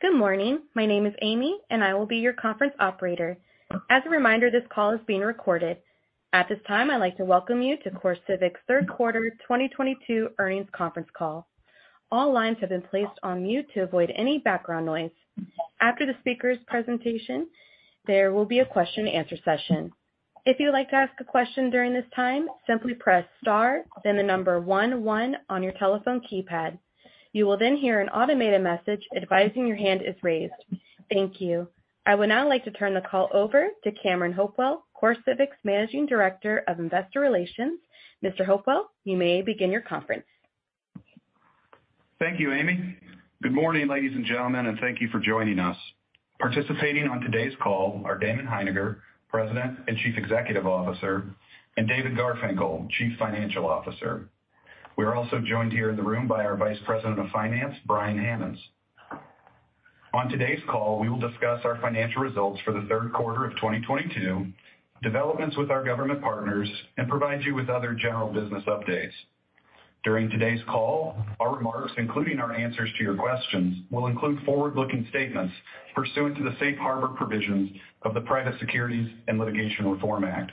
Good morning. My name is Amy, and I will be your conference operator. As a reminder, this call is being recorded. At this time, I'd like to welcome you to CoreCivic's third quarter 2022 earnings conference call. All lines have been placed on mute to avoid any background noise. After the speaker's presentation, there will be a question-and-answer session. If you'd like to ask a question during this time, simply press star then the number one one on your telephone keypad. You will then hear an automated message advising your hand is raised. Thank you. I would now like to turn the call over to Cameron Hopewell, CoreCivic's Managing Director of Investor Relations. Mr. Hopewell, you may begin your conference. Thank you, Amy. Good morning, ladies and gentlemen, and thank you for joining us. Participating on today's call are Damon Hininger, President and Chief Executive Officer, and David Garfinkle, Chief Financial Officer. We are also joined here in the room by our Vice President of Finance, Brian Hammonds. On today's call, we will discuss our financial results for the third quarter of 2022, developments with our government partners, and provide you with other general business updates. During today's call, our remarks, including our answers to your questions, will include forward-looking statements pursuant to the safe harbor provisions of the Private Securities Litigation Reform Act.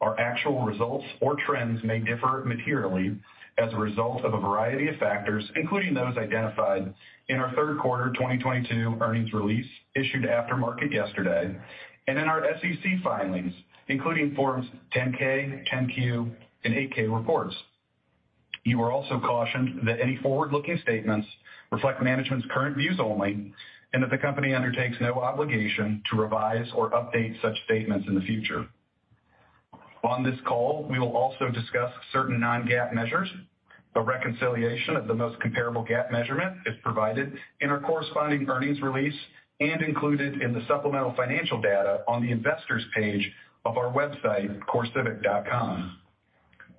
Our actual results or trends may differ materially as a result of a variety of factors, including those identified in our third quarter 2022 earnings release issued after market yesterday and in our SEC filings, including Forms 10-K, 10-Q and 8-K reports. You are also cautioned that any forward-looking statements reflect management's current views only and that the company undertakes no obligation to revise or update such statements in the future. On this call, we will also discuss certain Non-GAAP measures. A reconciliation of the most comparable GAAP measurement is provided in our corresponding earnings release and included in the supplemental financial data on the investors page of our website, corecivic.com.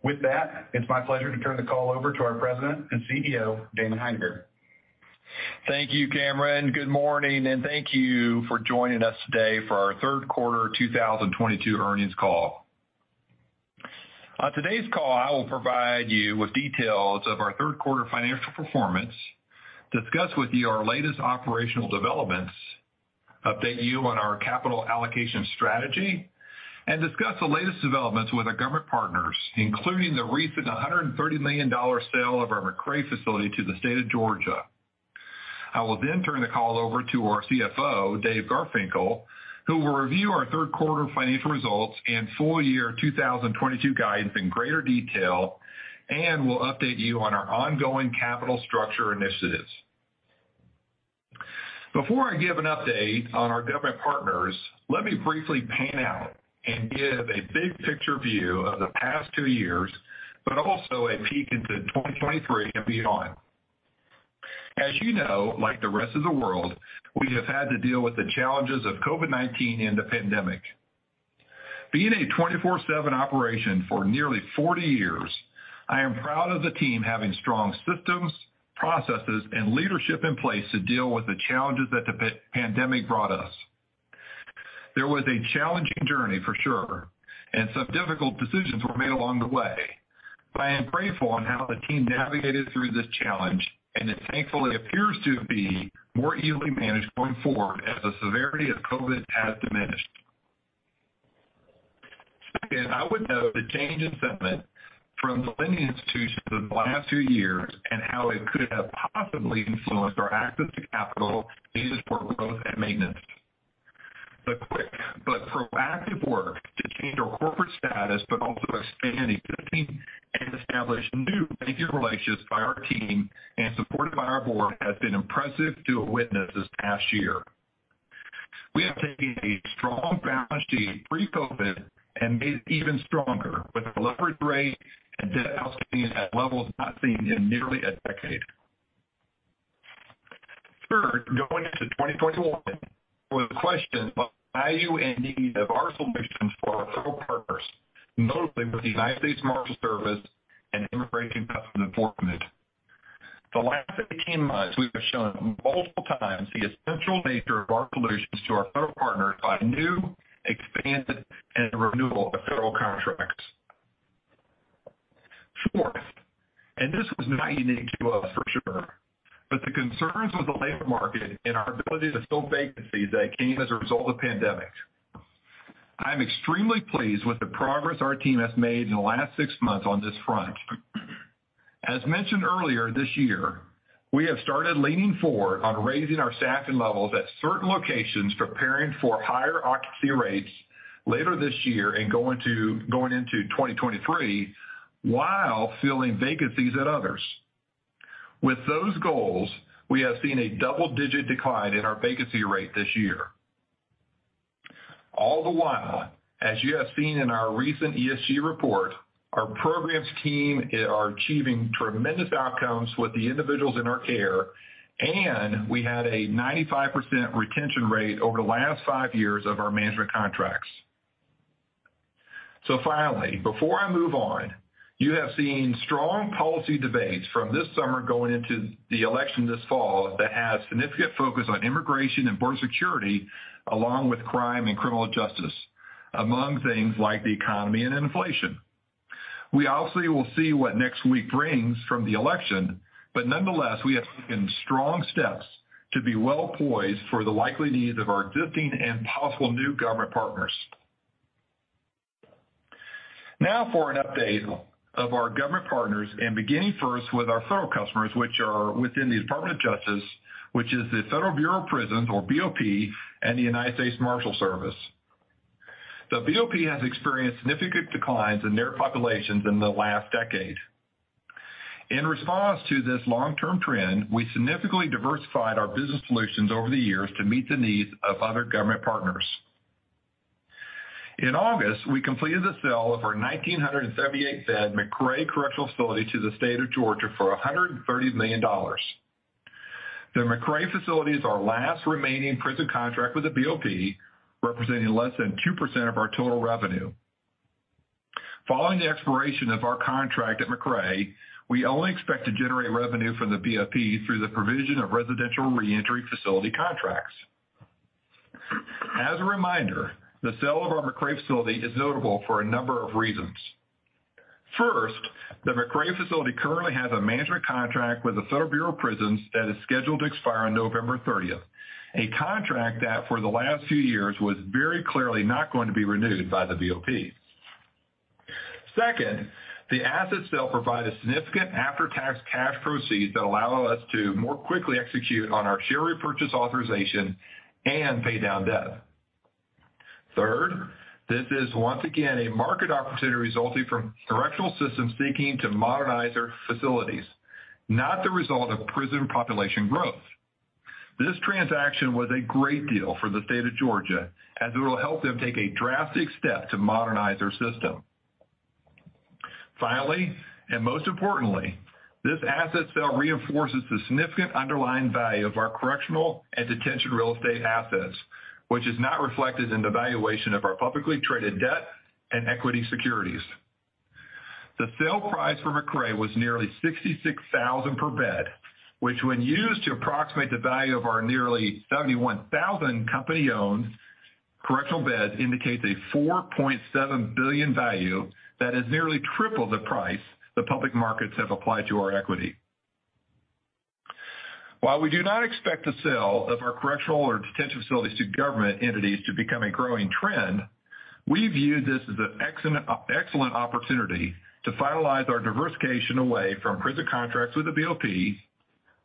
With that, it's my pleasure to turn the call over to our President and Chief Executive Officer, Damon Hininger. Thank you, Cameron. Good morning, and thank you for joining us today for our third quarter 2022 earnings call. On today's call, I will provide you with details of our third quarter financial performance, discuss with you our latest operational developments, update you on our capital allocation strategy, and discuss the latest developments with our government partners, including the recent $130 million sale of our McRae facility to the state of Georgia. I will then turn the call over to our Chief Financial Officer, Dave Garfinkel, who will review our third quarter financial results and full year 2022 guidance in greater detail and will update you on our ongoing capital structure initiatives. Before I give an update on our government partners, let me briefly pan out and give a big picture view of the past two years, but also a peek into 2023 and beyond. As you know, like the rest of the world, we have had to deal with the challenges of COVID-19 and the pandemic. Being a 24/7 operation for nearly 40 years, I am proud of the team having strong systems, processes, and leadership in place to deal with the challenges that the pandemic brought us. There was a challenging journey for sure, and some difficult decisions were made along the way. I am grateful on how the team navigated through this challenge, and it thankfully appears to be more easily managed going forward as the severity of COVID has diminished. Second, I would note the change in sentiment from the lending institutions in the last two years and how it could have possibly influenced our access to capital needed for growth and maintenance. The quick but proactive work to change our corporate status but also expand existing and establish new banking relationships by our team and supported by our board has been impressive to witness this past year. We have taken a strong balance sheet pre-COVID and made it even stronger with leverage ratio and debt outstanding at levels not seen in nearly a decade. Third, going into 2021 with questions about the value and need of our solutions for our federal partners, notably with the United States Marshals Service and Immigration and Customs Enforcement. The last 18 months, we have shown multiple times the essential nature of our solutions to our federal partners by new, expanded, and renewal of federal contracts. Fourth, this was not unique to us for sure, but the concerns with the labor market and our ability to fill vacancies that came as a result of pandemic. I'm extremely pleased with the progress our team has made in the last six months on this front. As mentioned earlier this year, we have started leaning forward on raising our staffing levels at certain locations, preparing for higher occupancy rates later this year and going into 2023 while filling vacancies at others. With those goals, we have seen a double-digit decline in our vacancy rate this year. All the while, as you have seen in our recent ESG report, our programs team are achieving tremendous outcomes with the individuals in our care, and we had a 95% retention rate over the last five years of our management contracts. Finally, before I move on, you have seen strong policy debates from this summer going into the election this fall that has significant focus on immigration and border security, along with crime and criminal justice, among things like the economy and inflation. We obviously will see what next week brings from the election, but nonetheless, we have taken strong steps to be well poised for the likely needs of our existing and possible new government partners. Now for an update of our government partners and beginning first with our federal customers, which are within the Department of Justice, which is the Federal Bureau of Prisons, or BOP, and the United States Marshals Service. The BOP has experienced significant declines in their populations in the last decade. In response to this long-term trend, we significantly diversified our business solutions over the years to meet the needs of other government partners. In August, we completed the sale of our 1,978-bed McRae Correctional Facility to the state of Georgia for $130 million. The McRae facility is our last remaining prison contract with the BOP, representing less than 2% of our total revenue. Following the expiration of our contract at McRae, we only expect to generate revenue from the BOP through the provision of residential reentry facility contracts. As a reminder, the sale of our McRae facility is notable for a number of reasons. First, the McRae facility currently has a management contract with the Federal Bureau of Prisons that is scheduled to expire on November thirtieth, a contract that for the last few years was very clearly not going to be renewed by the BOP. Second, the asset sale provided significant after-tax cash proceeds that allow us to more quickly execute on our share repurchase authorization and pay down debt. Third, this is once again a market opportunity resulting from correctional systems seeking to modernize their facilities, not the result of prison population growth. This transaction was a great deal for the state of Georgia, as it will help them take a drastic step to modernize their system. Finally, and most importantly, this asset sale reinforces the significant underlying value of our correctional and detention real estate assets, which is not reflected in the valuation of our publicly traded debt and equity securities. The sale price for McRae was nearly $66,000 per bed, which when used to approximate the value of our nearly 71,000 company-owned correctional beds, indicates a $4.7 billion value that is nearly triple the price the public markets have applied to our equity. While we do not expect the sale of our correctional or detention facilities to government entities to become a growing trend, we view this as an excellent opportunity to finalize our diversification away from prison contracts with the BOP,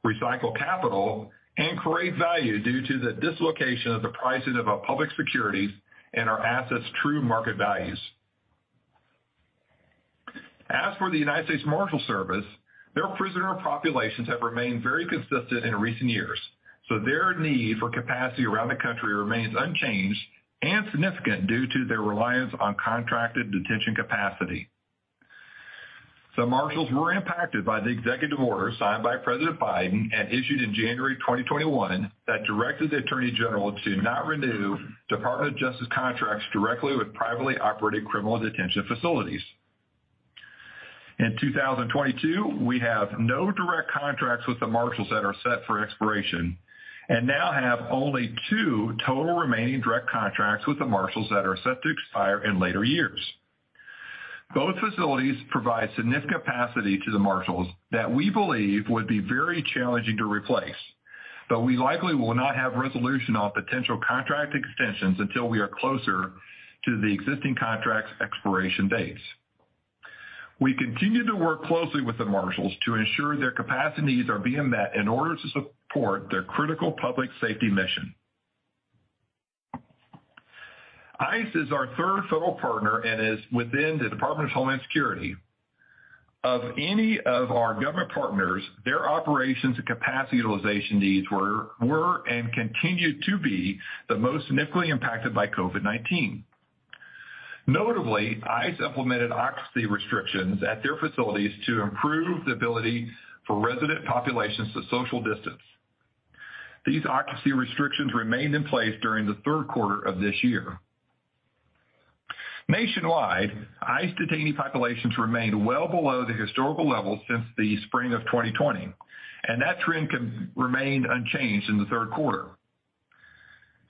recycle capital, and create value due to the dislocation of the pricing of our public securities and our assets' true market values. As for the United States Marshals Service, their prisoner populations have remained very consistent in recent years, so their need for capacity around the country remains unchanged and significant due to their reliance on contracted detention capacity. The Marshals were impacted by the executive order signed by President Biden and issued in January 2021 that directed the Attorney General to not renew Department of Justice contracts directly with privately operated criminal detention facilities. In 2022, we have no direct contracts with the Marshals that are set for expiration and now have only two total remaining direct contracts with the Marshals that are set to expire in later years. Both facilities provide significant capacity to the Marshals that we believe would be very challenging to replace, but we likely will not have resolution on potential contract extensions until we are closer to the existing contract's expiration dates. We continue to work closely with the Marshals to ensure their capacity needs are being met in order to support their critical public safety mission. ICE is our third federal partner and is within the Department of Homeland Security. Of any of our government partners, their operations and capacity utilization needs were and continue to be the most significantly impacted by COVID-19. Notably, ICE implemented occupancy restrictions at their facilities to improve the ability for resident populations to social distance. These occupancy restrictions remained in place during the third quarter of this year. Nationwide, ICE detainee populations remained well below the historical levels since the spring of 2020, and that trend remained unchanged in the third quarter.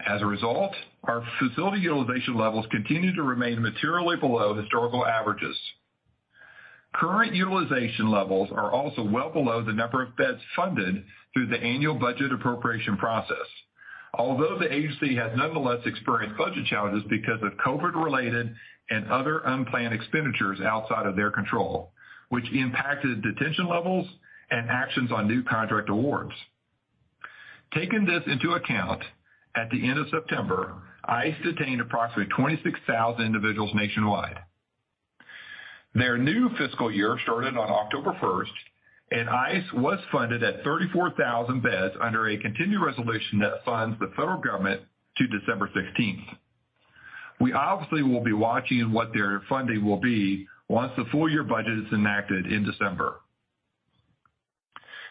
As a result, our facility utilization levels continue to remain materially below historical averages. Current utilization levels are also well below the number of beds funded through the annual budget appropriation process. Although the agency has nonetheless experienced budget challenges because of COVID-related and other unplanned expenditures outside of their control, which impacted detention levels and actions on new contract awards. Taking this into account, at the end of September, ICE detained approximately 26,000 individuals nationwide. Their new fiscal year started on October first, and ICE was funded at 34,000 beds under a continued resolution that funds the federal government to December 16. We obviously will be watching what their funding will be once the full year budget is enacted in December.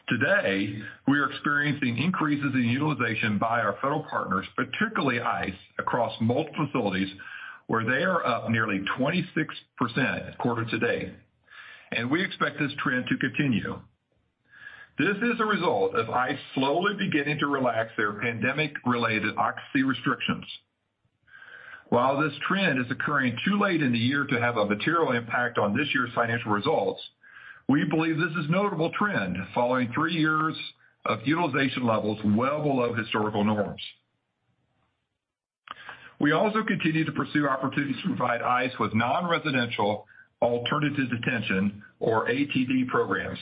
Today, we are experiencing increases in utilization by our federal partners, particularly ICE, across multiple facilities where they are up nearly 26% quarter to date, and we expect this trend to continue. This is a result of ICE slowly beginning to relax their pandemic-related occupancy restrictions. While this trend is occurring too late in the year to have a material impact on this year's financial results, we believe this is a notable trend following three years of utilization levels well below historical norms. We also continue to pursue opportunities to provide ICE with non-residential alternative detention or ATD programs.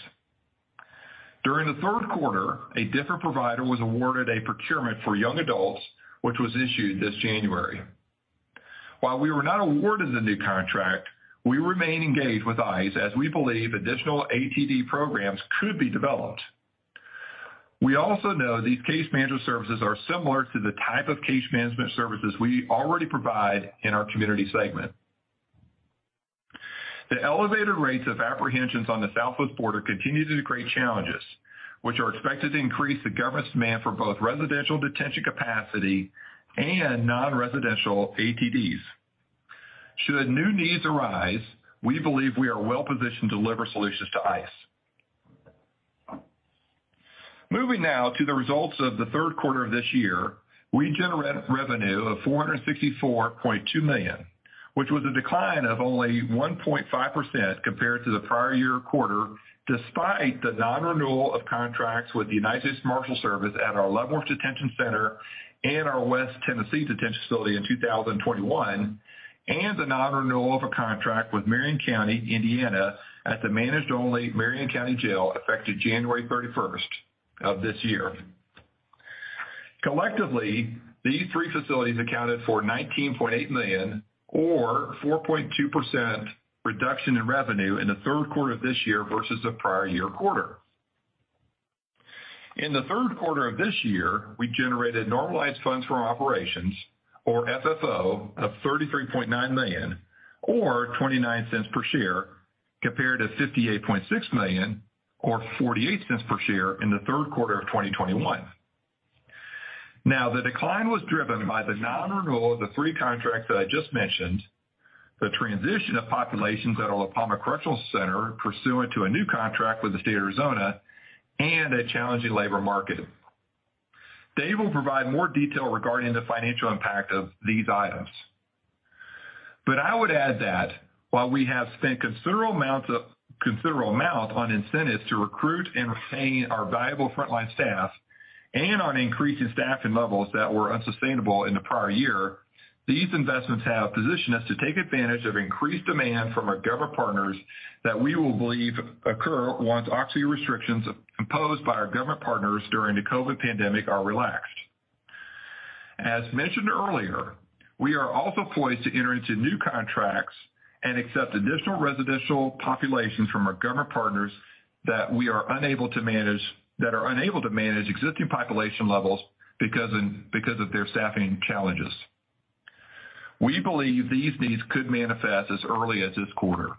During the third quarter, a different provider was awarded a procurement for young adults, which was issued this January. While we were not awarded the new contract, we remain engaged with ICE as we believe additional ATD programs could be developed. We also know these case management services are similar to the type of case management services we already provide in our community segment. The elevated rates of apprehensions on the southwest border continue to create challenges, which are expected to increase the government's demand for both residential detention capacity and non-residential ATDs. Should new needs arise, we believe we are well-positioned to deliver solutions to ICE. Moving now to the results of the third quarter of this year, we generated revenue of $464.2 million, which was a decline of only 1.5% compared to the prior year quarter, despite the non-renewal of contracts with the United States Marshals Service at our Leavenworth Detention Center and our West Tennessee detention facility in 2021, and the non-renewal of a contract with Marion County, Indiana, at the managed-only Marion County Jail, effective January 31st of this year. Collectively, these three facilities accounted for $19.8 million or 4.2% reduction in revenue in the third quarter of this year versus the prior year quarter. In the third quarter of this year, we generated normalized funds from operations or FFO of $33.9 million or $0.29 per share, compared to $58.6 million or $0.48 per share in the third quarter of 2021. Now, the decline was driven by the non-renewal of the three contracts that I just mentioned, the transition of populations at our La Palma Correctional Center pursuant to a new contract with the state of Arizona, and a challenging labor market. Dave Garfinkel will provide more detail regarding the financial impact of these items. I would add that while we have spent considerable amount on incentives to recruit and retain our valuable frontline staff and on increasing staffing levels that were unsustainable in the prior year, these investments have positioned us to take advantage of increased demand from our government partners that we believe will occur once occupancy restrictions imposed by our government partners during the COVID pandemic are relaxed. As mentioned earlier, we are also poised to enter into new contracts and accept additional residential populations from our government partners that are unable to manage existing population levels because of their staffing challenges. We believe these needs could manifest as early as this quarter.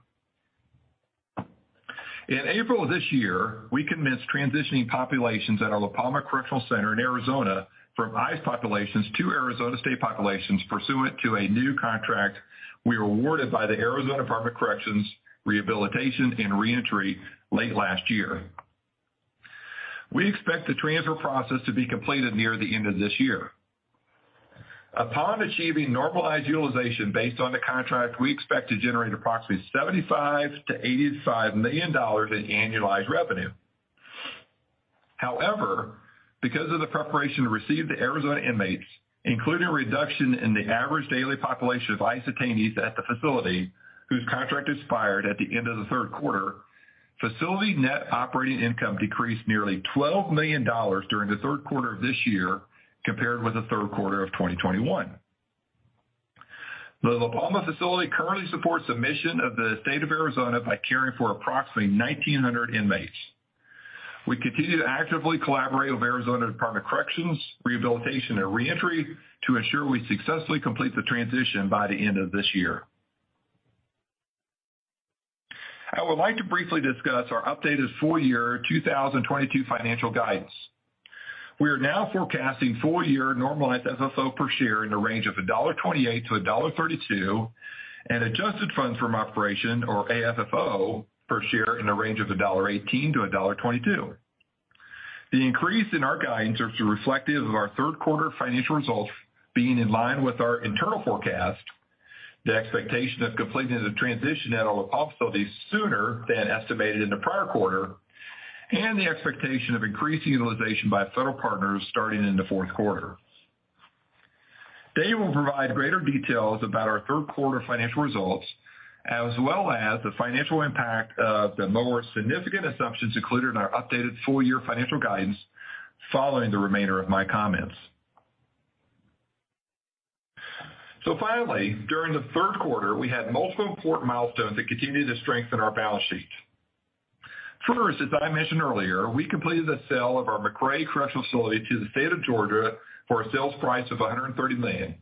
In April of this year, we commenced transitioning populations at our La Palma Correctional Center in Arizona from ICE populations to Arizona state populations pursuant to a new contract we were awarded by the Arizona Department of Corrections, Rehabilitation & Reentry late last year. We expect the transfer process to be completed near the end of this year. Upon achieving normalized utilization based on the contract, we expect to generate approximately $75 million-$85 million in annualized revenue. However, because of the preparation to receive the Arizona inmates, including a reduction in the average daily population of ICE detainees at the facility whose contract expired at the end of the third quarter, facility net operating income decreased nearly $12 million during the third quarter of this year compared with the third quarter of 2021. The La Palma facility currently supports the mission of the State of Arizona by caring for approximately 1,900 inmates. We continue to actively collaborate with Arizona Department of Corrections, Rehabilitation, and Reentry to ensure we successfully complete the transition by the end of this year. I would like to briefly discuss our updated full-year 2022 financial guidance. We are now forecasting full-year normalized FFO per share in the range of $1.28-$1.32, and adjusted funds from operations or AFFO per share in the range of $1.18-$1.22. The increase in our guidance are reflective of our third quarter financial results being in line with our internal forecast, the expectation of completing the transition at all the facilities sooner than estimated in the prior quarter, and the expectation of increased utilization by federal partners starting in the fourth quarter. Dave Garfinkel will provide greater details about our third quarter financial results, as well as the financial impact of the more significant assumptions included in our updated full-year financial guidance following the remainder of my comments. Finally, during the third quarter, we had multiple important milestones that continue to strengthen our balance sheet. First, as I mentioned earlier, we completed the sale of our McRae Correctional Facility to the State of Georgia for a sales price of $130 million,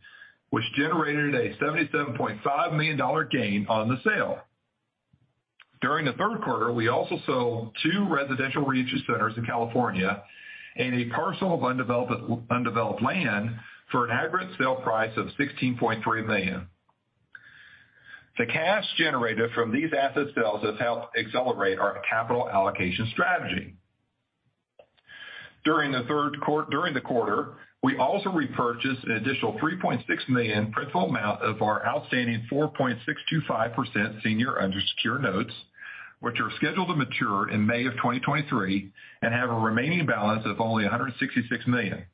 which generated a $77.5 million gain on the sale. During the third quarter, we also sold two residential reentry centers in California and a parcel of undeveloped land for an aggregate sale price of $16.3 million. The cash generated from these asset sales has helped accelerate our capital allocation strategy. During the quarter, we also repurchased an additional $3.6 million principal amount of our outstanding 4.625% senior unsecured notes, which are scheduled to mature in May of 2023 and have a remaining balance of only $166 million.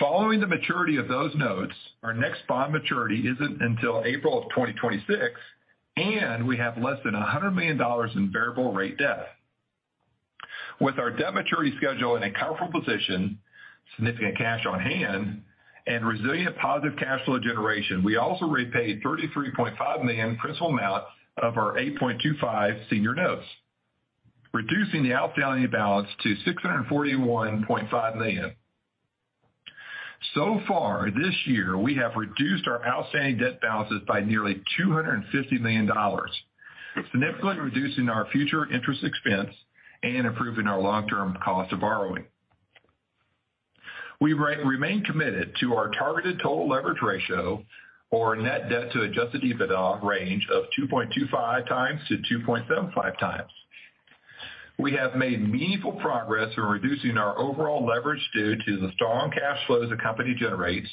Following the maturity of those notes, our next bond maturity isn't until April of 2026, and we have less than $100 million in variable rate debt. With our debt maturity schedule in a comfortable position, significant cash on hand, and resilient positive cash flow generation, we also repaid $33.5 million principal amount of our 8.25% senior notes, reducing the outstanding balance to $641.5 million. So far this year, we have reduced our outstanding debt balances by nearly $250 million, significantly reducing our future interest expense and improving our long-term cost of borrowing. We remain committed to our targeted total leverage ratio or net debt to adjusted EBITDA range of 2.25x-2.75x. We have made meaningful progress in reducing our overall leverage due to the strong cash flows the company generates,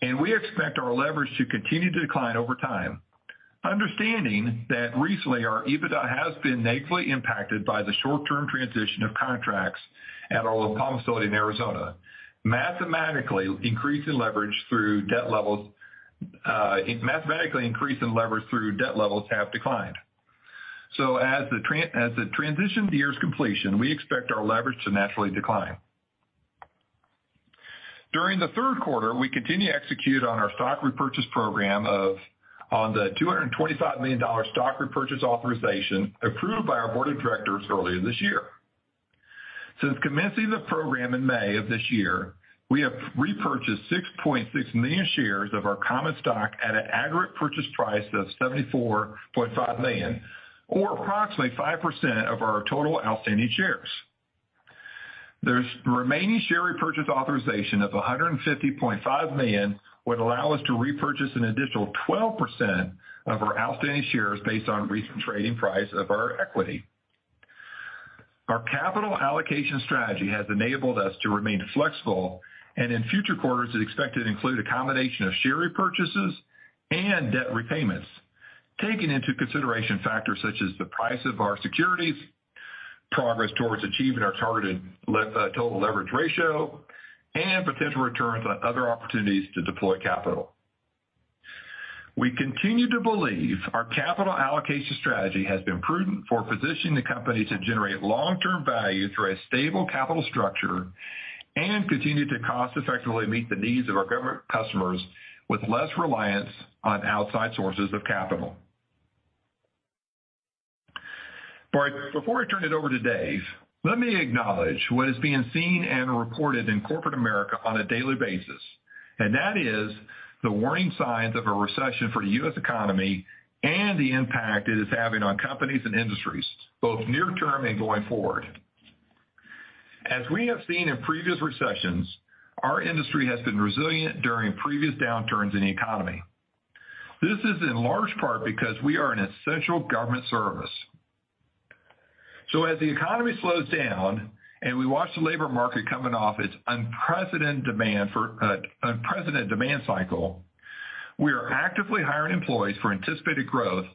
and we expect our leverage to continue to decline over time. Understanding that recently our EBITDA has been negatively impacted by the short-term transition of contracts at our La Palma facility in Arizona, mathematically increasing leverage through debt levels have declined. As the transition nears completion, we expect our leverage to naturally decline. During the third quarter, we continue to execute on our stock repurchase program of, on the $225 million stock repurchase authorization approved by our board of directors earlier this year. Since commencing the program in May of this year, we have repurchased 6.6 million shares of our common stock at an aggregate purchase price of $74.5 million, or approximately 5% of our total outstanding shares. The remaining share repurchase authorization of $150.5 million would allow us to repurchase an additional 12% of our outstanding shares based on recent trading price of our equity. Our capital allocation strategy has enabled us to remain flexible, and in future quarters, it's expected to include a combination of share repurchases and debt repayments, taking into consideration factors such as the price of our securities, progress towards achieving our targeted total leverage ratio, and potential returns on other opportunities to deploy capital. We continue to believe our capital allocation strategy has been prudent for positioning the company to generate long-term value through a stable capital structure and continue to cost-effectively meet the needs of our government customers with less reliance on outside sources of capital. Before I turn it over to Dave, let me acknowledge what is being seen and reported in corporate America on a daily basis, and that is the warning signs of a recession for U.S. economy and the impact it is having on companies and industries, both near term and going forward. As we have seen in previous recessions, our industry has been resilient during previous downturns in the economy. This is in large part because we are an essential government service. As the economy slows down and we watch the labor market coming off its unprecedented demand cycle, we are actively hiring employees for anticipated growth,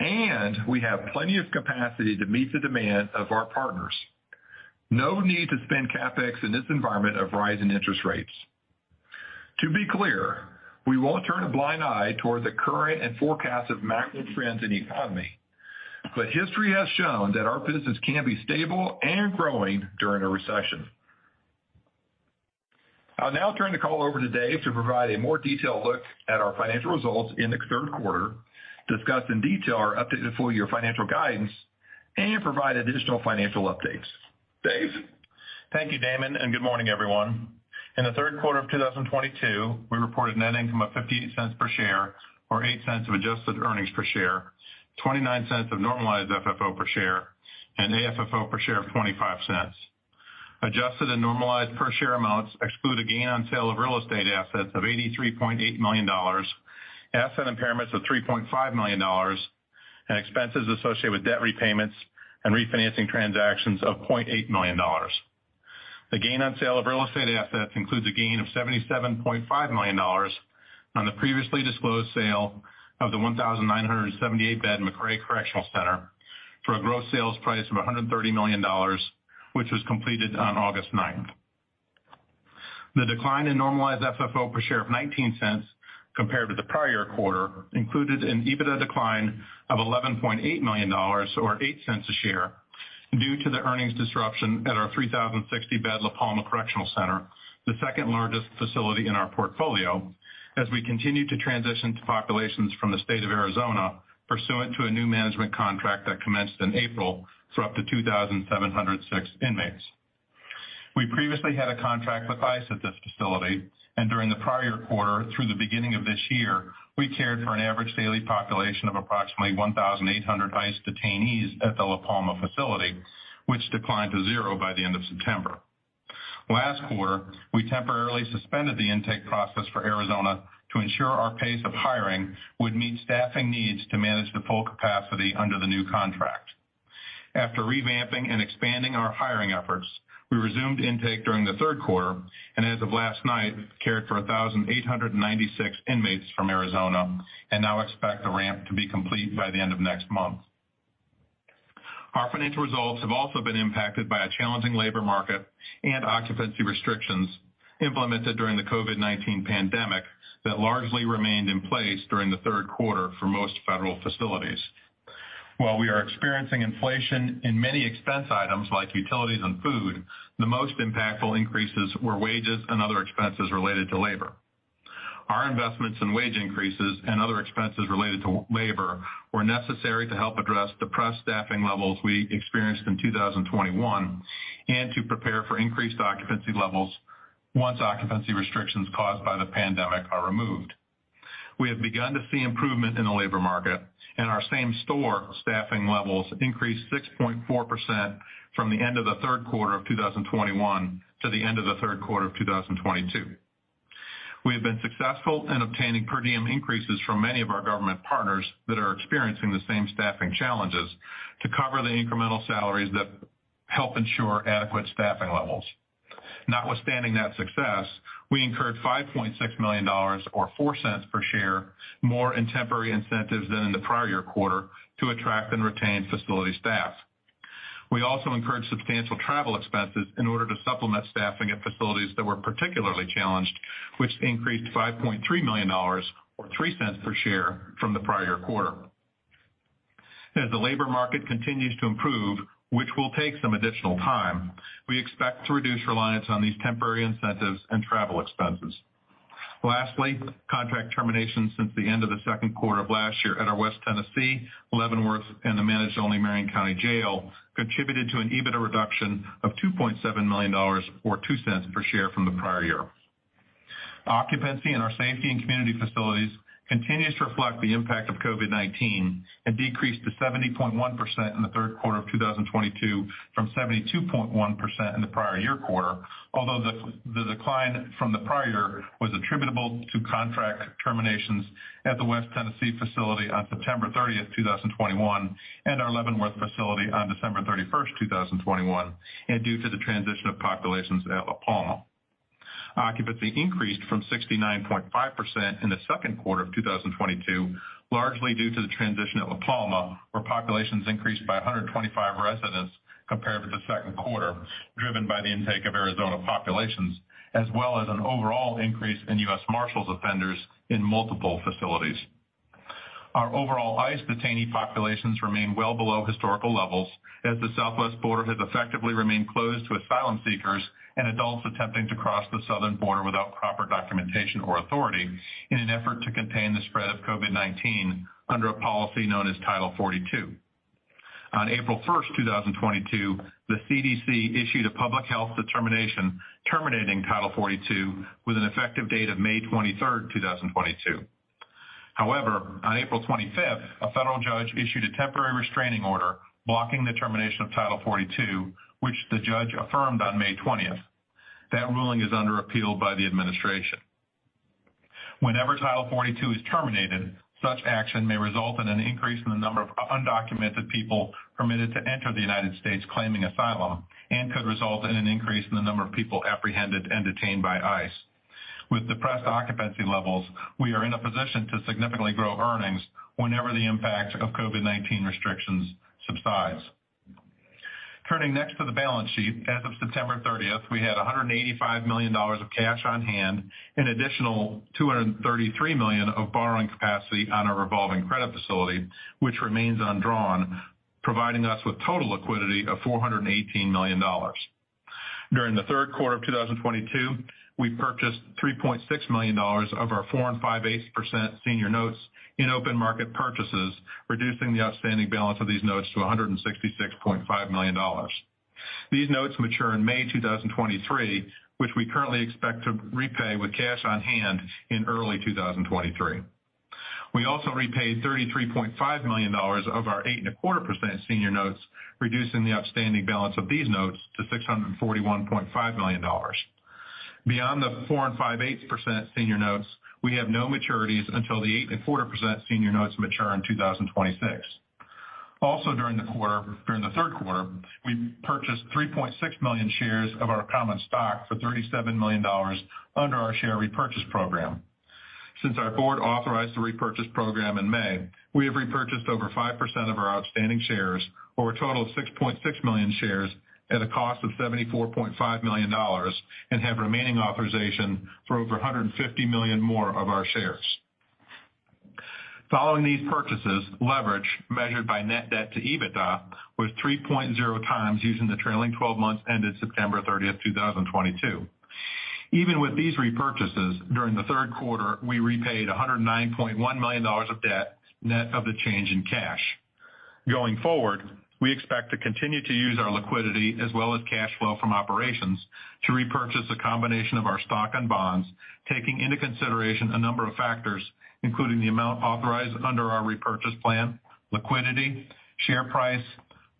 and we have plenty of capacity to meet the demand of our partners. No need to spend CapEx in this environment of rising interest rates. To be clear, we won't turn a blind eye toward the current and forecasted macro trends in the economy. History has shown that our business can be stable and growing during a recession. I'll now turn the call over to Dave to provide a more detailed look at our financial results in the third quarter, discuss in detail our updated full-year financial guidance, and provide additional financial updates. Dave? Thank you, Damon, and good morning, everyone. In the third quarter of 2022, we reported net income of $0.58 per share or $0.08 of adjusted earnings per share, $0.29 of normalized FFO per share, and AFFO per share of $0.25. Adjusted and normalized per share amounts exclude a gain on sale of real estate assets of $83.8 million, asset impairments of $3.5 million, and expenses associated with debt repayments and refinancing transactions of $0.8 million. The gain on sale of real estate assets includes a gain of $77.5 million on the previously disclosed sale of the 1,978-bed McRae Correctional Facility for a gross sales price of $130 million, which was completed on August 9th. The decline in normalized FFO per share of $0.19 compared to the prior quarter included an EBITDA decline of $11.8 million or $0.08 a share due to the earnings disruption at our 3,060-bed La Palma Correctional Center, the second-largest facility in our portfolio, as we continue to transition to populations from the state of Arizona pursuant to a new management contract that commenced in April for up to 2,706 inmates. We previously had a contract with ICE at this facility, and during the prior quarter through the beginning of this year, we cared for an average daily population of approximately 1,800 ICE detainees at the La Palma facility, which declined to zero by the end of September. Last quarter, we temporarily suspended the intake process for Arizona to ensure our pace of hiring would meet staffing needs to manage the full capacity under the new contract. After revamping and expanding our hiring efforts, we resumed intake during the third quarter, and as of last night, cared for 1,896 inmates from Arizona, and now expect the ramp to be complete by the end of next month. Our financial results have also been impacted by a challenging labor market and occupancy restrictions implemented during the COVID-19 pandemic that largely remained in place during the third quarter for most federal facilities. While we are experiencing inflation in many expense items like utilities and food, the most impactful increases were wages and other expenses related to labor. Our investments in wage increases and other expenses related to labor were necessary to help address depressed staffing levels we experienced in 2021, and to prepare for increased occupancy levels once occupancy restrictions caused by the pandemic are removed. We have begun to see improvement in the labor market and our same store staffing levels increased 6.4% from the end of the third quarter of 2021 to the end of the third quarter of 2022. We have been successful in obtaining per diem increases from many of our government partners that are experiencing the same staffing challenges to cover the incremental salaries that help ensure adequate staffing levels. Notwithstanding that success, we incurred $5.6 million or $0.04 per share more in temporary incentives than in the prior-year quarter to attract and retain facility staff. We also incurred substantial travel expenses in order to supplement staffing at facilities that were particularly challenged, which increased $5.3 million or $0.03 per share from the prior quarter. As the labor market continues to improve, which will take some additional time, we expect to reduce reliance on these temporary incentives and travel expenses. Lastly, contract terminations since the end of the second quarter of last year at our West Tennessee, Leavenworth, and the managed only Marion County Jail, contributed to an EBITDA reduction of $2.7 million or $0.02 per share from the prior year. Occupancy in our safety and community facilities continues to reflect the impact of COVID-19, and decreased to 70.1% in the third quarter of 2022 from 72.1% in the prior year quarter. Although the decline from the prior was attributable to contract terminations at the West Tennessee facility on September 30th, 2021, and our Leavenworth facility on December 31st, 2021, and due to the transition of populations at La Palma. Occupancy increased from 69.5% in the second quarter of 2022, largely due to the transition at La Palma, where populations increased by 125 residents compared with the second quarter, driven by the intake of Arizona populations, as well as an overall increase in U.S. Marshals offenders in multiple facilities. Our overall ICE detainee populations remain well below historical levels as the southwest border has effectively remained closed to asylum seekers and adults attempting to cross the southern border without proper documentation or authority in an effort to contain the spread of COVID-19 under a policy known as Title 42. On April 1st, 2022, the CDC issued a public health determination terminating Title 42 with an effective date of May 23rd, 2022. However, on April 25th, a federal judge issued a temporary restraining order blocking the termination of Title 42, which the judge affirmed on May 20th. That ruling is under appeal by the administration. Whenever Title 42 is terminated, such action may result in an increase in the number of undocumented people permitted to enter the United States claiming asylum, and could result in an increase in the number of people apprehended and detained by ICE. With depressed occupancy levels, we are in a position to significantly grow earnings whenever the impact of COVID-19 restrictions subsides. Turning next to the balance sheet. As of September 30th, we had $185 million of cash on hand, an additional $233 million of borrowing capacity on our revolving credit facility, which remains undrawn, providing us with total liquidity of $418 million. During the third quarter of 2022, we purchased $3.6 million of our 4.625% senior notes in open market purchases, reducing the outstanding balance of these notes to $166.5 million. These notes mature in May 2023, which we currently expect to repay with cash on hand in early 2023. We also repaid $33.5 million of our 8.25% senior notes, reducing the outstanding balance of these notes to $641.5 million. Beyond the 4.625% senior notes, we have no maturities until the 8.25% senior notes mature in 2026. Also during the quarter, during the third quarter, we purchased 3.6 million shares of our common stock for $37 million under our share repurchase program. Since our board authorized the repurchase program in May, we have repurchased over 5% of our outstanding shares for a total of 6.6 million shares at a cost of $74.5 million, and have remaining authorization for over 150 million more of our shares. Following these purchases, leverage measured by net debt to EBITDA was 3.0x using the trailing twelve months ended September 30th, 2022. Even with these repurchases, during the third quarter, we repaid $109.1 million of debt, net of the change in cash. Going forward, we expect to continue to use our liquidity as well as cash flow from operations to repurchase a combination of our stock and bonds, taking into consideration a number of factors, including the amount authorized under our repurchase plan, liquidity, share price,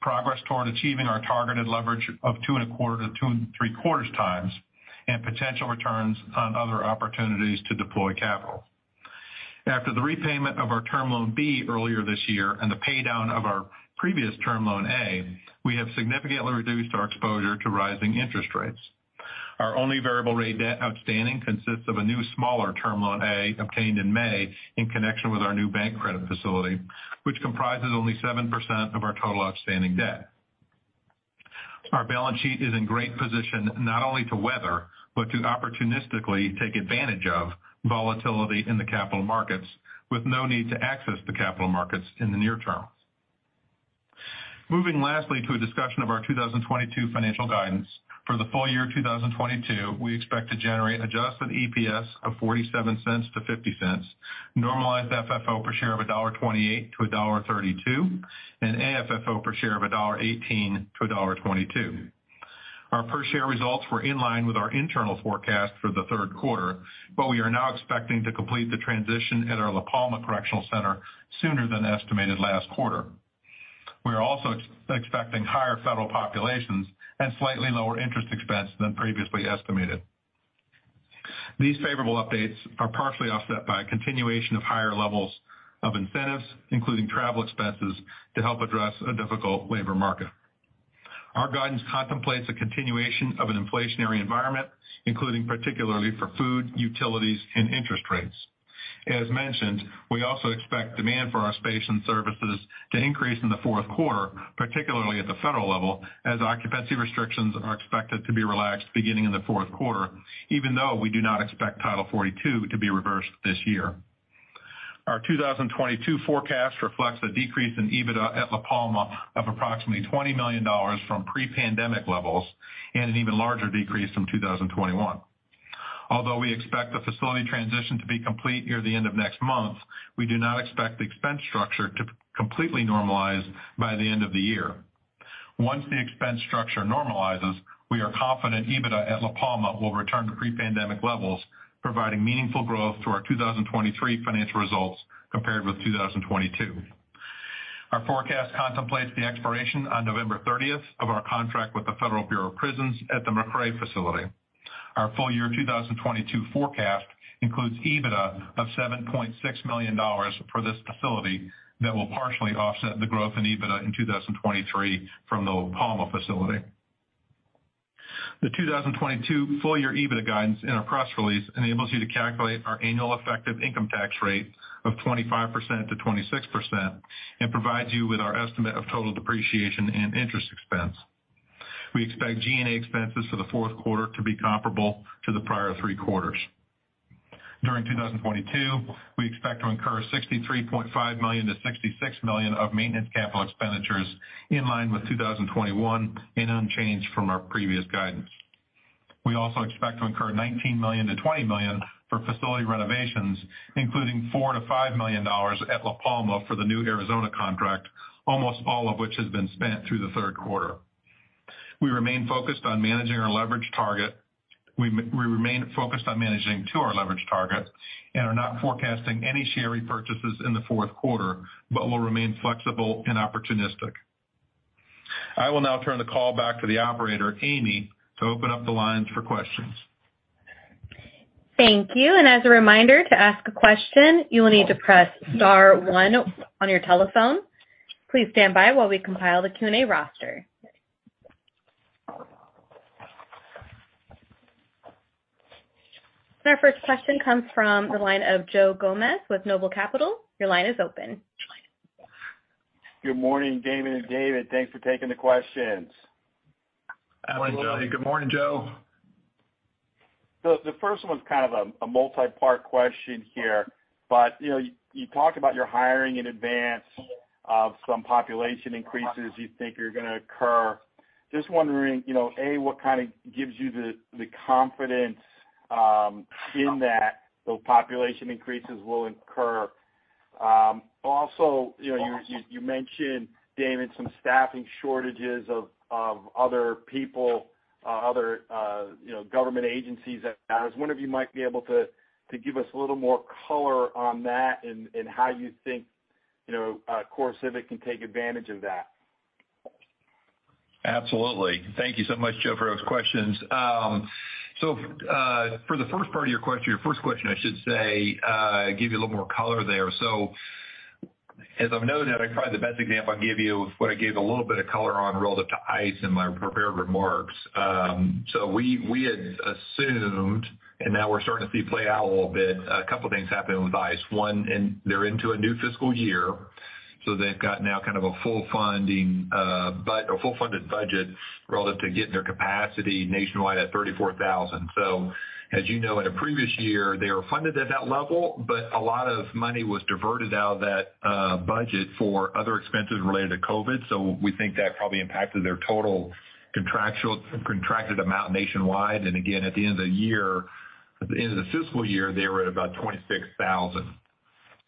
progress toward achieving our targeted leverage of 2.25x-2.75x, and potential returns on other opportunities to deploy capital. After the repayment of our Term Loan B earlier this year and the pay down of our previous Term Loan A, we have significantly reduced our exposure to rising interest rates. Our only variable rate debt outstanding consists of a new smaller Term Loan A obtained in May in connection with our new bank credit facility, which comprises only 7% of our total outstanding debt. Our balance sheet is in great position not only to weather, but to opportunistically take advantage of volatility in the capital markets, with no need to access the capital markets in the near term. Moving lastly to a discussion of our 2022 financial guidance. For the full year 2022, we expect to generate adjusted EPS of $0.47-$0.50, normalized FFO per share of $1.28-$1.32, and AFFO per share of $1.18-$1.22. Our per share results were in line with our internal forecast for the third quarter, but we are now expecting to complete the transition at our La Palma Correctional Center sooner than estimated last quarter. We are also expecting higher federal populations and slightly lower interest expense than previously estimated. These favorable updates are partially offset by a continuation of higher levels of incentives, including travel expenses to help address a difficult labor market. Our guidance contemplates a continuation of an inflationary environment, including particularly for food, utilities, and interest rates. As mentioned, we also expect demand for our space and services to increase in the fourth quarter, particularly at the federal level, as occupancy restrictions are expected to be relaxed beginning in the fourth quarter, even though we do not expect Title 42 to be reversed this year. Our 2022 forecast reflects a decrease in EBITDA at La Palma of approximately $20 million from pre-pandemic levels and an even larger decrease from 2021. Although we expect the facility transition to be complete near the end of next month, we do not expect the expense structure to completely normalize by the end of the year. Once the expense structure normalizes, we are confident EBITDA at La Palma will return to pre-pandemic levels, providing meaningful growth to our 2023 financial results compared with 2022. Our forecast contemplates the expiration on November thirtieth of our contract with the Federal Bureau of Prisons at the McRae facility. Our full year 2022 forecast includes EBITDA of $7.6 million for this facility that will partially offset the growth in EBITDA in 2023 from the La Palma facility. The 2022 full year EBITDA guidance in our press release enables you to calculate our annual effective income tax rate of 25%-26% and provides you with our estimate of total depreciation and interest expense. We expect G&A expenses for the fourth quarter to be comparable to the prior three quarters. During 2022, we expect to incur $63.5 million-$66 million of maintenance capital expenditures in line with 2021 and unchanged from our previous guidance. We also expect to incur $19 million-$20 million for facility renovations, including $4 million-$5 million at La Palma for the new Arizona contract, almost all of which has been spent through the third quarter. We remain focused on managing our leverage target. We remain focused on managing to our leverage targets and are not forecasting any share repurchases in the fourth quarter, but will remain flexible and opportunistic. I will now turn the call back to the operator, Amy, to open up the lines for questions. Thank you. As a reminder to ask a question, you will need to press star one on your telephone. Please stand by while we compile the Q&A roster. Our first question comes from the line of Joe Gomes with Noble Capital Markets. Your line is open. Good morning, Damon and David. Thanks for taking the questions. Absolutely. Good morning, Joe. The first one's kind of a multi-part question here, but you know, you talked about your hiring in advance of some population increases you think are gonna occur. Just wondering, you know, A, what kind of gives you the confidence in that those population increases will occur. Also, you know, you mentioned, Damon, some staffing shortages of other people, other you know, government agencies. I was wondering if you might be able to give us a little more color on that and how you think, you know, CoreCivic can take advantage of that. Absolutely. Thank you so much, Joe, for those questions. For the first part of your question, your first question I should say, give you a little more color there. As I've noted, probably the best example I can give you is what I gave a little bit of color on relative to ICE in my prepared remarks. We had assumed, and now we're starting to see play out a little bit, a couple of things happening with ICE. One, they're into a new fiscal year, so they've got now kind of a full funding or full funded budget relative to getting their capacity nationwide at 34,000 beds. As you know, in a previous year, they were funded at that level, but a lot of money was diverted out of that budget for other expenses related to COVID. We think that probably impacted their total contracted amount nationwide. Again, at the end of the year, at the end of the fiscal year, they were at about 26,000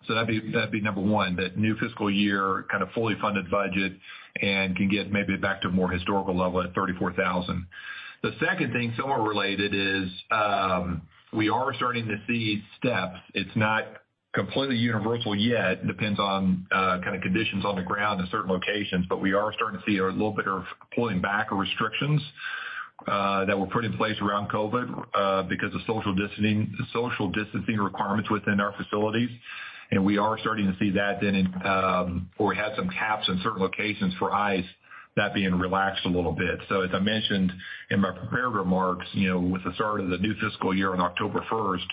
beds. That'd be number one, that new fiscal year kind of fully funded budget and can get maybe back to a more historical level at 34,000 beds. The second thing somewhat related is, we are starting to see steps. It's not completely universal yet. Depends on, kind of conditions on the ground in certain locations, but we are starting to see a little bit of pulling back of restrictions. That were put in place around COVID because of social distancing requirements within our facilities. We are starting to see that then in or we had some caps in certain locations for ICE that being relaxed a little bit. As I mentioned in my prepared remarks, you know, with the start of the new fiscal year on October first,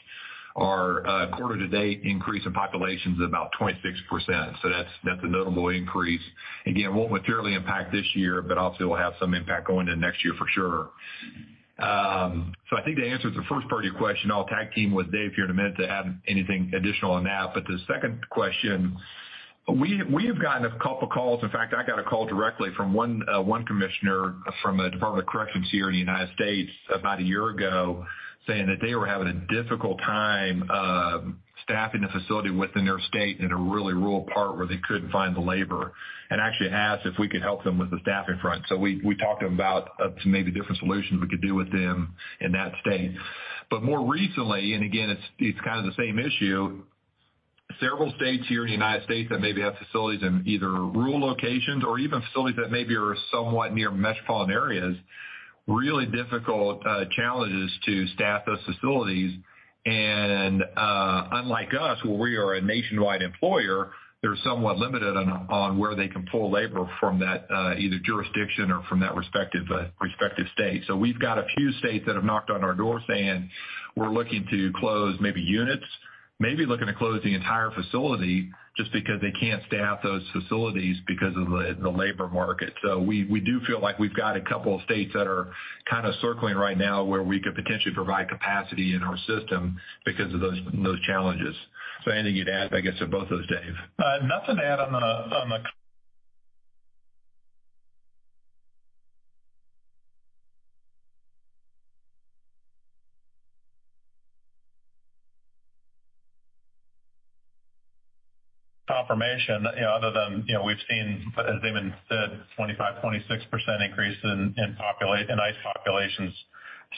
our quarter to date increase in population's about 26%. That's a notable increase. Again, it won't materially impact this year, but obviously it will have some impact going into next year for sure. I think to answer the first part of your question, I'll tag team with Dave here in a minute to add anything additional on that. To the second question, we have gotten a couple calls. In fact, I got a call directly from one commissioner from the Department of Corrections here in the United States about a year ago saying that they were having a difficult time staffing the facility within their state in a really rural part where they couldn't find the labor, and actually asked if we could help them with the staffing front. We talked to them about some maybe different solutions we could do with them in that state. More recently, and again, it's kind of the same issue, several states here in the United States that maybe have facilities in either rural locations or even facilities that maybe are somewhat near metropolitan areas, really difficult challenges to staff those facilities. Unlike us, where we are a nationwide employer, they're somewhat limited on where they can pull labor from that either jurisdiction or from that respective state. We've got a few states that have knocked on our door saying, we're looking to close maybe units, maybe looking to close the entire facility just because they can't staff those facilities because of the labor market. We do feel like we've got a couple of states that are kind of circling right now where we could potentially provide capacity in our system because of those challenges. Anything you'd add, I guess, to both those, Dave? Nothing to add on the confirmation. You know, other than, you know, we've seen, as Damon said, 25%-26% increase in ICE populations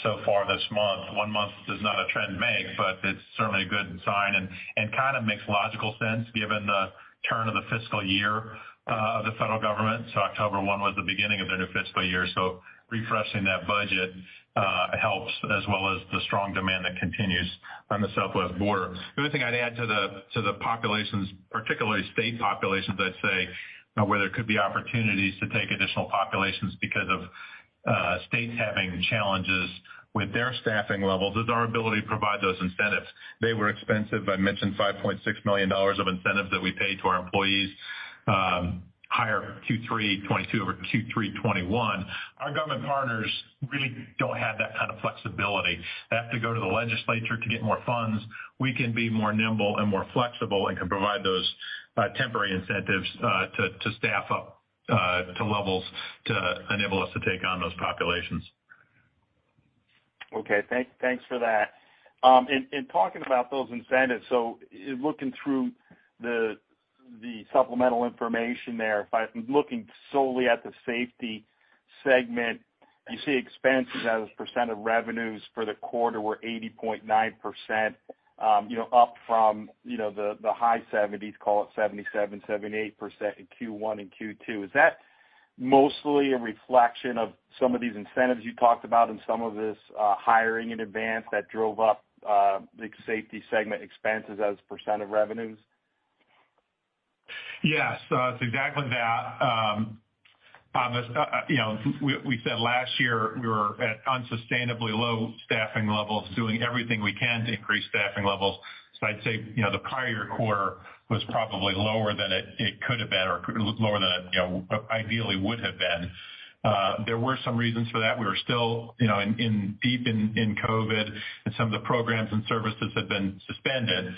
so far this month. One month does not a trend make, but it's certainly a good sign and kind of makes logical sense given the turn of the fiscal year of the federal government. October 1st was the beginning of their new fiscal year, so refreshing that budget helps as well as the strong demand that continues on the southwest border. The only thing I'd add to the populations, particularly state populations, I'd say, where there could be opportunities to take additional populations because of states having challenges with their staffing levels is our ability to provide those incentives. They were expensive. I mentioned $5.6 million of incentives that we paid to our employees, higher 2022 over 2021. Our government partners really don't have that kind of flexibility. They have to go to the legislature to get more funds. We can be more nimble and more flexible and can provide those temporary incentives to staff up to levels to enable us to take on those populations. Thanks for that. In talking about those incentives, I'm looking through the supplemental information there, by looking solely at the safety segment, you see expenses as a percent of revenues for the quarter were 80.9%, up from the high seventies, call it 77%, 78% in Q1 and Q2. Is that mostly a reflection of some of these incentives you talked about and some of this hiring in advance that drove up the safety segment expenses as percent of revenues? Yes. It's exactly that. You know, we said last year we were at unsustainably low staffing levels, doing everything we can to increase staffing levels. I'd say, you know, the prior quarter was probably lower than it could have been or lower than it, you know, ideally would have been. There were some reasons for that. We were still, you know, deep in COVID, and some of the programs and services had been suspended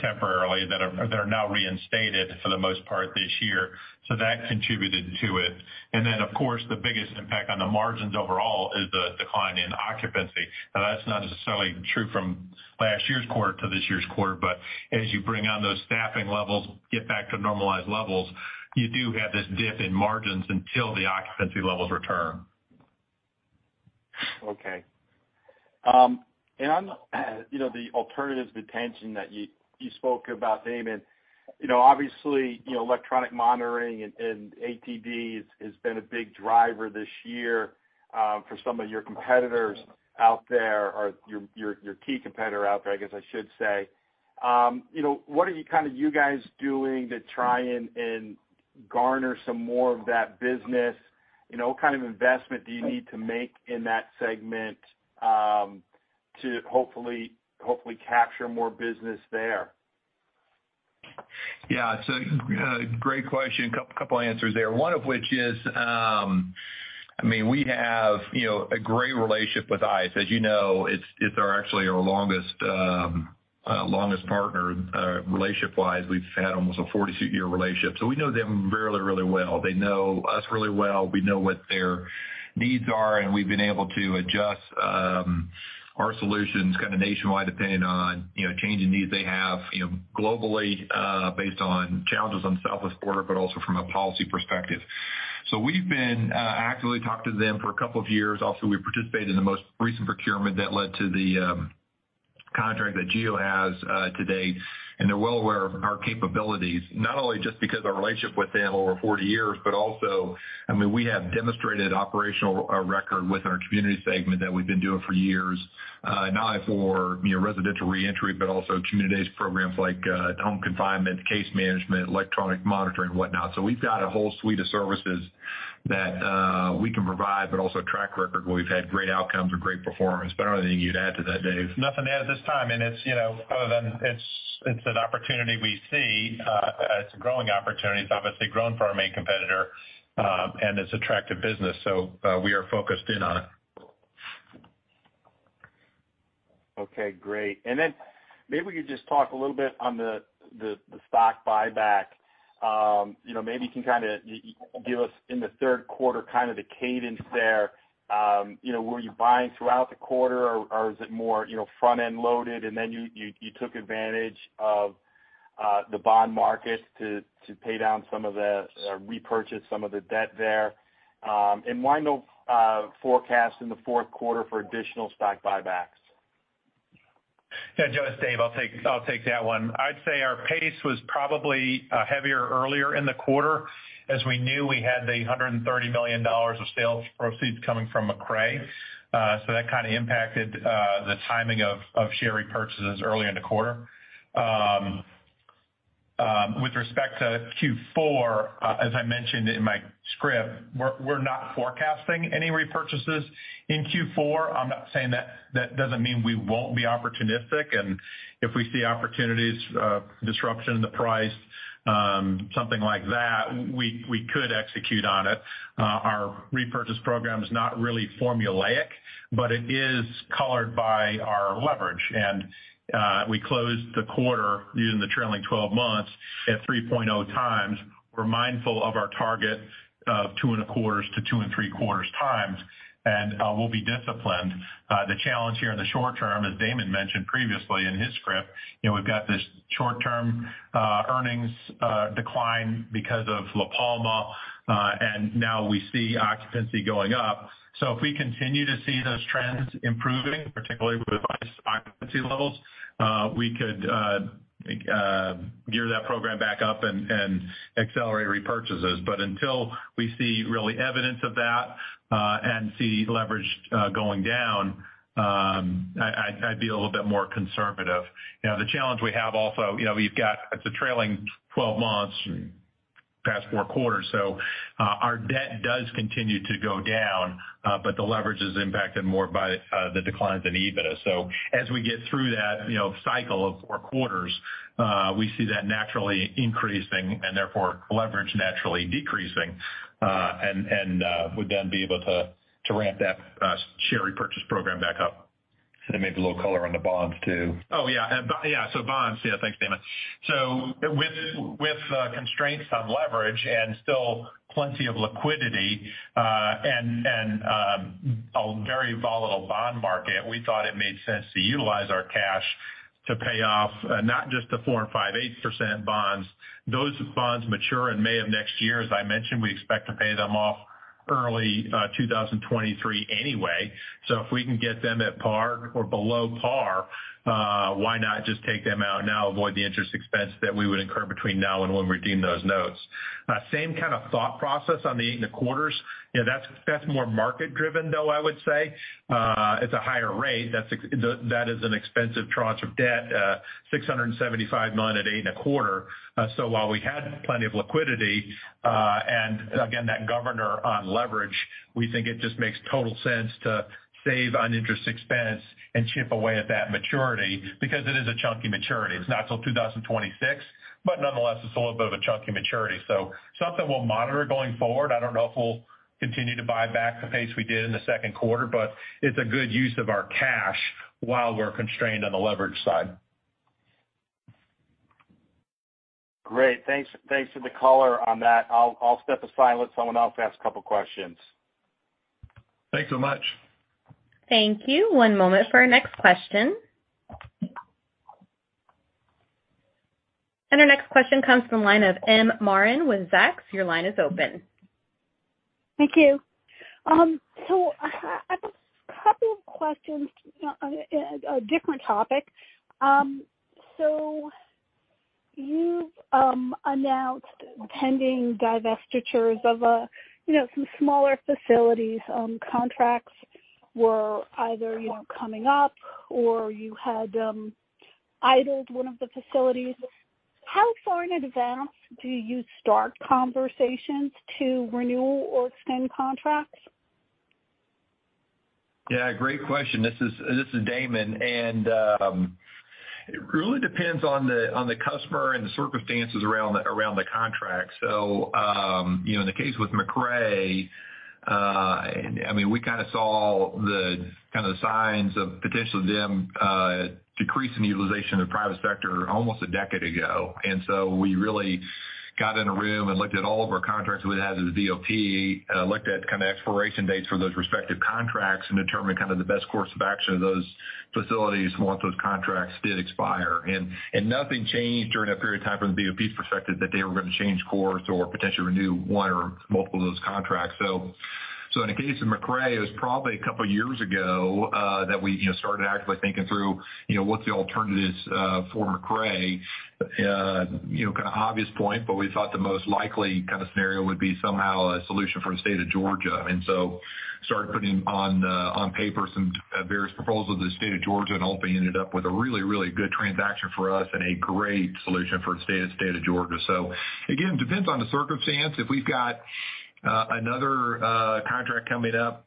temporarily that are now reinstated for the most part this year. That contributed to it. Then of course, the biggest impact on the margins overall is the decline in occupancy. Now, that's not necessarily true from last year's quarter to this year's quarter, but as you bring on those staffing levels, get back to normalized levels, you do have this dip in margins until the occupancy levels return. Okay. On, you know, the alternatives to detention that you spoke about, Damon. You know, obviously, you know, electronic monitoring and ATD has been a big driver this year, for some of your competitors out there, or your key competitor out there, I guess I should say. You know, what are you kind of you guys doing to try and garner some more of that business? You know, what kind of investment do you need to make in that segment, to hopefully capture more business there? Yeah. It's a great question. Couple of answers there. One of which is, I mean, we have, you know, a great relationship with ICE. As you know, it's actually our longest partner, relationship-wise. We've had almost a 42-year relationship. We know them really, really well. They know us really well. We know what their needs are, and we've been able to adjust our solutions kind of nationwide depending on, you know, changing needs they have, you know, globally based on challenges on the southwest border, but also from a policy perspective. We've been actively talking to them for a couple of years. Also, we participated in the most recent procurement that led to the contract that GEO has to date, and they're well aware of our capabilities, not only just because our relationship with them over 40 years, but also, I mean, we have demonstrated operational record with our community segment that we've been doing for years not only for, you know, residential reentry but also community-based programs like home confinement, case management, electronic monitoring, whatnot. So we've got a whole suite of services that we can provide but also a track record where we've had great outcomes or great performance. Anything you'd add to that, Dave? Nothing to add at this time. It's, you know, other than it's an opportunity we see. It's a growing opportunity. It's obviously grown for our main competitor, and it's attractive business, so, we are focused in on it. Okay, great. Then maybe we could just talk a little bit on the stock buyback. Maybe you can kind of give us in the third quarter the cadence there. Were you buying throughout the quarter or is it more front-end loaded, and then you took advantage of the bond market to pay down some of the debt or repurchase some of the debt there? Why no forecast in the fourth quarter for additional stock buybacks? Yeah, Joe, it's Dave. I'll take that one. I'd say our pace was probably heavier earlier in the quarter as we knew we had $130 million of sales proceeds coming from McRae. So that kind of impacted the timing of share repurchases early in the quarter. With respect to Q4, as I mentioned in my script, we're not forecasting any repurchases in Q4. I'm not saying that. That doesn't mean we won't be opportunistic. If we see opportunities, disruption in the price, something like that, we could execute on it. Our repurchase program is not really formulaic, but it is colored by our leverage. We closed the quarter using the trailing twelve months at 3.0x. We're mindful of our target of 2.25x-2.75x, and we'll be disciplined. The challenge here in the short term, as Damon mentioned previously in his script, you know, we've got this short term earnings decline because of La Palma and now we see occupancy going up. If we continue to see those trends improving, particularly with high occupancy levels, we could gear that program back up and accelerate repurchases. Until we see real evidence of that and see leverage going down, I'd be a little bit more conservative. You know, the challenge we have also, you know, we've got. It's a trailing twelve months past four quarters, so, our debt does continue to go down, but the leverage is impacted more by the decline than EBITDA. As we get through that, you know, cycle of four quarters, we see that naturally increasing and therefore leverage naturally decreasing, and would then be able to ramp that share repurchase program back up. Maybe a little color on the bonds too. Oh, yeah. Yeah, so bonds. Yeah, thanks, Damon. With constraints on leverage and still plenty of liquidity, and a very volatile bond market, we thought it made sense to utilize our cash to pay off not just the 4.58% bonds. Those bonds mature in May of next year. As I mentioned, we expect to pay them off early 2023 anyway. If we can get them at par or below par, why not just take them out now, avoid the interest expense that we would incur between now and when we redeem those notes? Same kind of thought process on the 8.25%. You know, that's more market driven, though, I would say. It's a higher rate. That is an expensive tranche of debt, $675 million at 8.25%. While we had plenty of liquidity, and again, that covenant on leverage, we think it just makes total sense to save on interest expense and chip away at that maturity because it is a chunky maturity. It's not till 2026, but nonetheless, it's a little bit of a chunky maturity, so something we'll monitor going forward. I don't know if we'll continue to buy back at the pace we did in the second quarter, but it's a good use of our cash while we're constrained on the leverage side. Great. Thanks for the color on that. I'll step aside and let someone else ask a couple questions. Thanks so much. Thank you. One moment for our next question. Our next question comes from the line of M. Marin with Zacks. Your line is open. Thank you. I've a couple of questions on a different topic. You've announced pending divestitures of, you know, some smaller facilities. Contracts were either, you know, coming up or you had idled one of the facilities. How far in advance do you start conversations to renew or extend contracts? Yeah, great question. This is Damon. It really depends on the customer and the circumstances around the contract. You know, in the case with McRae, I mean, we kind of saw the kind of signs of potentially them decreasing the utilization of private sector almost a decade ago. We really got in a room and looked at all of our contracts we had with the BOP, looked at kind of expiration dates for those respective contracts and determined kind of the best course of action of those facilities once those contracts did expire. Nothing changed during that period of time from the BOP's perspective that they were gonna change course or potentially renew one or multiple of those contracts. In the case of McRae, it was probably a couple of years ago that we, you know, started actively thinking through, you know, what the alternative is for McRae. You know, kind of obvious point, but we thought the most likely kind of scenario would be somehow a solution for the state of Georgia. Started putting on paper some various proposals to the state of Georgia, and ultimately ended up with a really good transaction for us and a great solution for the state of Georgia. Again, depends on the circumstance. If we've got another contract coming up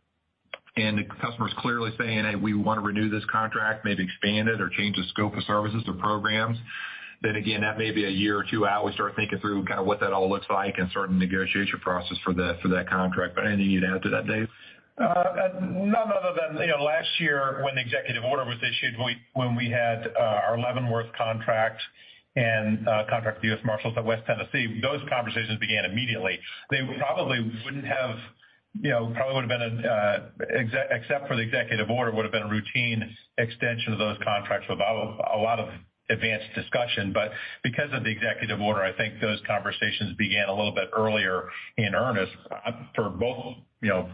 and the customer's clearly saying, "Hey, we wanna renew this contract, maybe expand it or change the scope of services or programs," then again that may be a year or two out. We start thinking through kinda what that all looks like and starting the negotiation process for that contract. Anything you'd add to that, Dave? None other than, you know, last year when the executive order was issued, when we had our Leavenworth contract and contract with U.S. Marshals at West Tennessee, those conversations began immediately. They probably wouldn't have, you know, probably would have been except for the executive order, would have been a routine extension of those contracts without a lot of advanced discussion. Because of the executive order, I think those conversations began a little bit earlier in earnest for both, you know,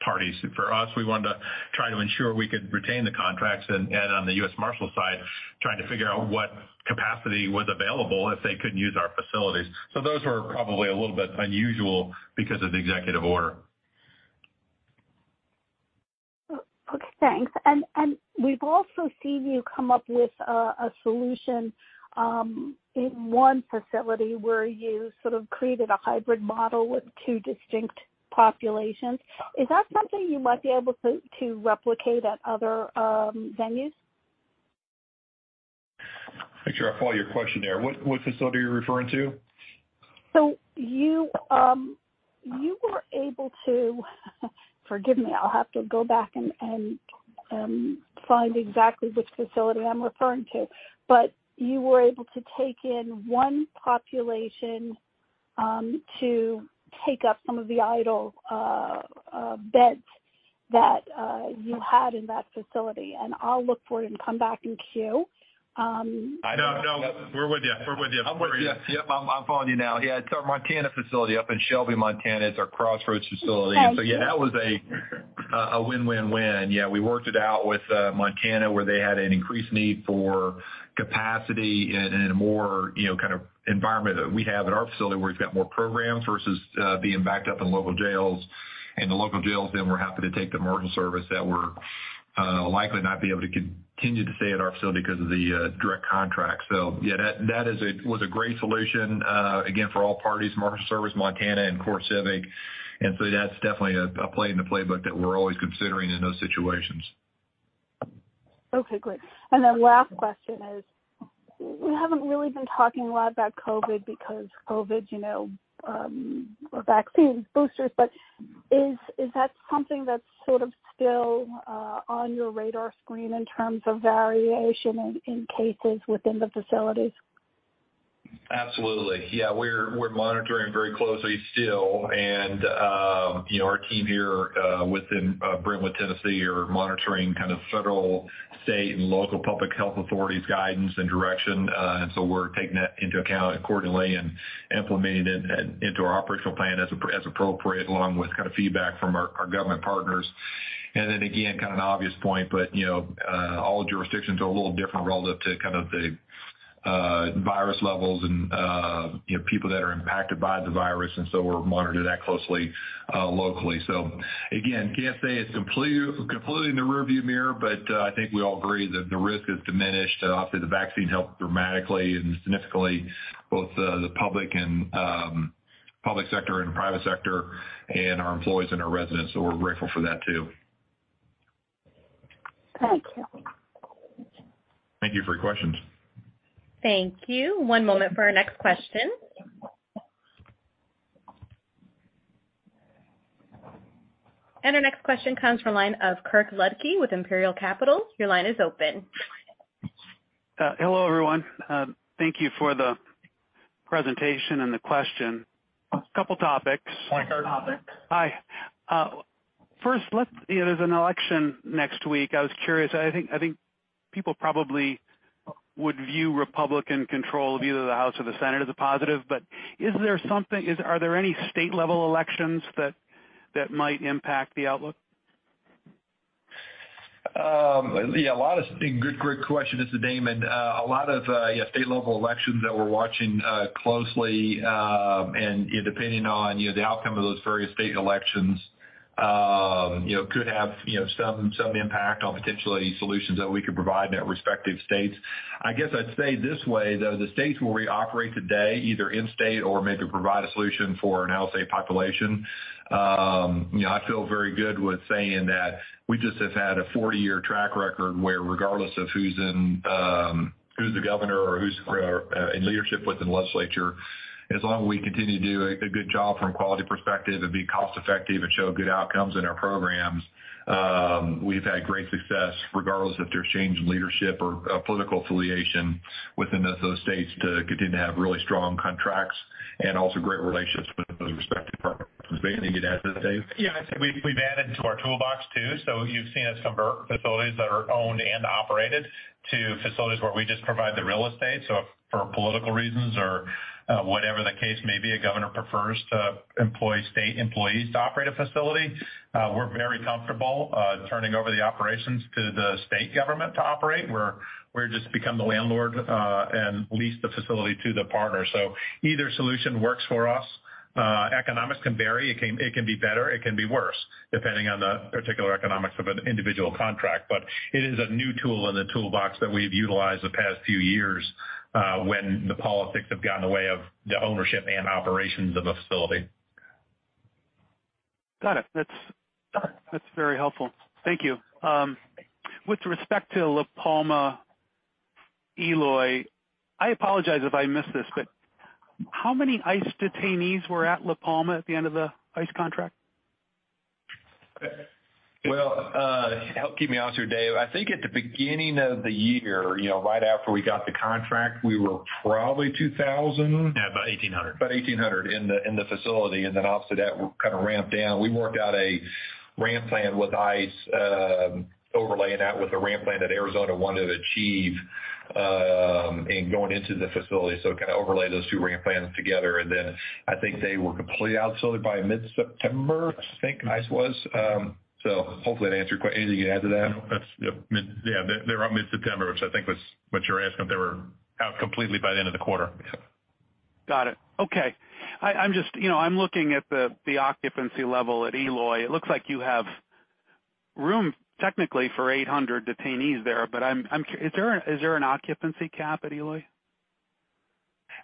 parties. For us, we wanted to try to ensure we could retain the contracts and on the U.S. Marshals side, trying to figure out what capacity was available if they couldn't use our facilities. Those were probably a little bit unusual because of the executive order. Okay, thanks. We've also seen you come up with a solution in one facility where you sort of created a hybrid model with two distinct populations. Is that something you might be able to replicate at other venues? Make sure I follow your question there. What facility are you referring to? you were able to take in one population to take up some of the idle beds that you had in that facility, and I'll look for it and come back and queue. I know. No, we're with you. We're with you. I'm with you. Yep, I'm following you now. Yeah, it's our Montana facility up in Shelby, Montana. It's our Crossroads facility. Okay. Yeah, that was a win-win-win. Yeah, we worked it out with Montana, where they had an increased need for capacity and in a more, you know, kind of environment that we have at our facility where we've got more programs versus being backed up in local jails. The local jails then were happy to take the Marshals Service that were likely not be able to continue to stay at our facility because of the direct contract. Yeah, that was a great solution, again, for all parties, Marshals Service, Montana and CoreCivic. That's definitely a play in the playbook that we're always considering in those situations. Okay, great. Last question is, we haven't really been talking a lot about COVID because COVID, you know, or vaccines, boosters, but is that something that's sort of still on your radar screen in terms of variation in cases within the facilities? Absolutely. Yeah, we're monitoring very closely still. You know, our team here within Brentwood, Tennessee, are monitoring kind of federal, state, and local public health authorities' guidance and direction. We're taking that into account accordingly and implementing it into our operational plan as appropriate, along with kind of feedback from our government partners. Kind of an obvious point, but you know, all jurisdictions are a little different relative to kind of the virus levels and you know, people that are impacted by the virus, and so we're monitoring that closely locally. Can't say it's completely in the rearview mirror, but I think we all agree that the risk has diminished. Obviously the vaccine helped dramatically and significantly both the public and public sector and private sector and our employees and our residents. We're grateful for that too. Thank you. Thank you for your questions. Thank you. One moment for our next question. Our next question comes from line of Kirk Ludtke with Imperial Capital. Your line is open. Hello, everyone. Thank you for the presentation and the question. A couple topics. Hi, Kirk. Hi. First, there's an election next week. I was curious. I think people probably would view Republican control of either the House or the Senate as a positive. Are there any state level elections that might impact the outlook? Good, great question. It's Damon. A lot of state level elections that we're watching closely, and depending on you know, the outcome of those various state elections, you know, could have you know, some impact on potential solutions that we could provide in their respective states. I guess I'd say this way, though, the states where we operate today, either in state or maybe provide a solution for an out-of-state population, you know, I feel very good with saying that we just have had a 40-year track record where regardless of who's in, who's the governor or who's in leadership within the legislature, as long as we continue to do a good job from a quality perspective and be cost effective and show good outcomes in our programs, we've had great success regardless if there's change in leadership or political affiliation within those states to continue to have really strong contracts and also great relationships with those respective partners. Anything you'd add to that, Dave? Yeah, I'd say we've added to our toolbox, too. You've seen us convert facilities that are owned and operated to facilities where we just provide the real estate. For political reasons or whatever the case may be, a governor prefers to employ state employees to operate a facility. We're very comfortable turning over the operations to the state government to operate, where we're just become the landlord and lease the facility to the partner. Either solution works for us. Economics can vary. It can be better, it can be worse, depending on the particular economics of an individual contract. It is a new tool in the toolbox that we've utilized the past few years when the politics have got in the way of the ownership and operations of a facility. Got it. That's very helpful. Thank you. With respect to La Palma, Eloy, I apologize if I missed this, but how many ICE detainees were at La Palma at the end of the ICE contract? Well, help keep me honest here, Dave. I think at the beginning of the year, you know, right after we got the contract, we were probably 2,000 ICE detainees. Yeah, about 1,800 ICE detainees. About 1,800 ICE detainees in the facility. Then after that, we kind of ramped down. We worked out a ramp plan with ICE, overlaying that with a ramp plan that Arizona wanted to achieve, in going into the facility. Kind of overlay those two ramp plans together. Then I think they were completely sorted out by mid-September, I think ICE was. Hopefully that answered your question? Anything to add to that? No, that's it. Yeah, they're out mid-September, which I think was what you're asking. They were out completely by the end of the quarter. Yeah. Got it. Okay. I'm just, you know, looking at the occupancy level at Eloy. It looks like you have room technically for 800 ICE detainees there, but is there an occupancy cap at Eloy?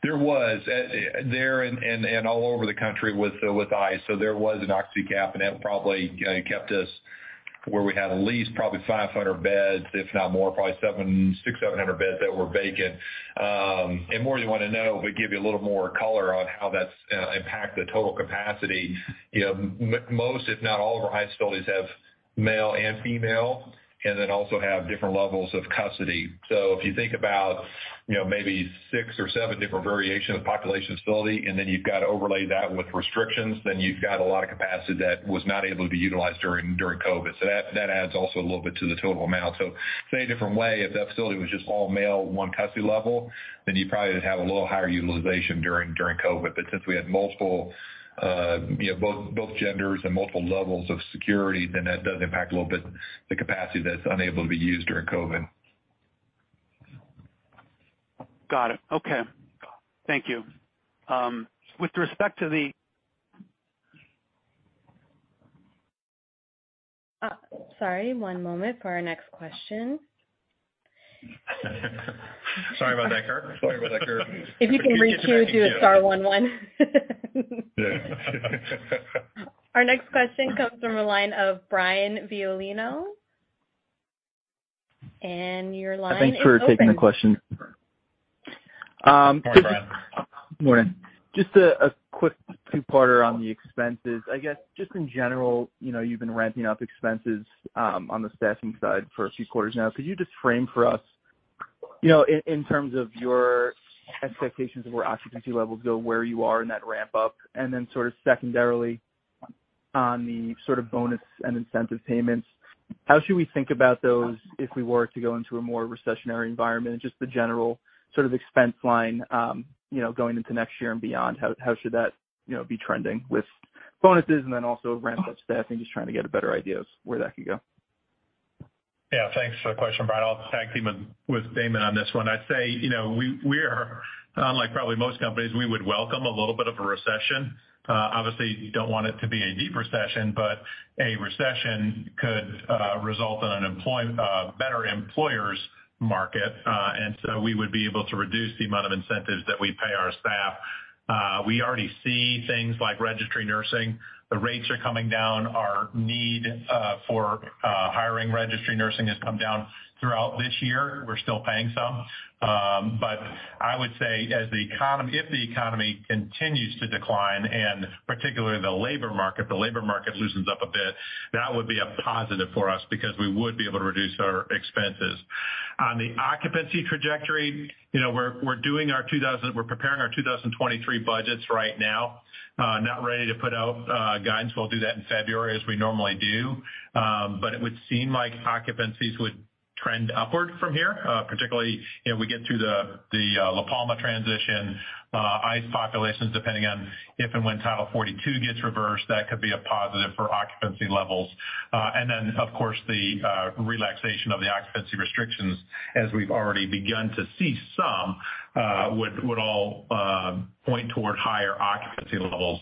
There was there and all over the country with ICE. There was an occupancy cap, and that probably kept us where we had at least 500 beds, if not more, probably 600 beds-700 beds that were vacant. More you wanna know, we give you a little more color on how that's impacts the total capacity. Most, if not all, of our ICE facilities have male and female, and then also have different levels of custody. If you think about maybe six or seven different variations of population facility, and then you've got to overlay that with restrictions, then you've got a lot of capacity that was not able to be utilized during COVID. That adds also a little bit to the total amount. Say a different way, if that facility was just all male, one custody level, then you probably have a little higher utilization during COVID. Since we had multiple, you know, both genders and multiple levels of security, then that does impact a little bit the capacity that's unable to be used during COVID. Got it. Okay. Thank you. With respect to the. Sorry, one moment for our next question. Sorry about that, Kirk Ludtke. If you can reach me, do star one one. Yeah. Our next question comes from the line of Brian Violino. Your line is open. Thanks for taking the question. Hi, Brian. Morning. Just a quick two-parter on the expenses. I guess, just in general, you know, you've been ramping up expenses on the staffing side for a few quarters now. Could you just frame for us, you know, in terms of your expectations of where occupancy levels go, where you are in that ramp up? Then sort of secondarily, on the sort of bonus and incentive payments, how should we think about those if we were to go into a more recessionary environment? Just the general sort of expense line, you know, going into next year and beyond, how should that be trending with bonuses? Then also ramp up staffing, just trying to get a better idea of where that could go. Yeah. Thanks for the question, Brian. I'll tag team with Damon on this one. I'd say, you know, we are, unlike probably most companies, we would welcome a little bit of a recession. Obviously, you don't want it to be a deep recession, but a recession could result in a better employer's market. And so we would be able to reduce the amount of incentives that we pay our staff. We already see things like registry nursing. The rates are coming down. Our need for hiring registry nursing has come down throughout this year. We're still paying some. I would say if the economy continues to decline, and particularly the labor market loosens up a bit, that would be a positive for us because we would be able to reduce our expenses. On the occupancy trajectory, you know, we're doing our 2023 budgets right now. Not ready to put out guidance. We'll do that in February as we normally do. It would seem like occupancies would trend upward from here, particularly if we get through the La Palma transition, ICE populations, depending on if and when Title 42 gets reversed, that could be a positive for occupancy levels. Of course, the relaxation of the occupancy restrictions, as we've already begun to see some, would all point toward higher occupancy levels.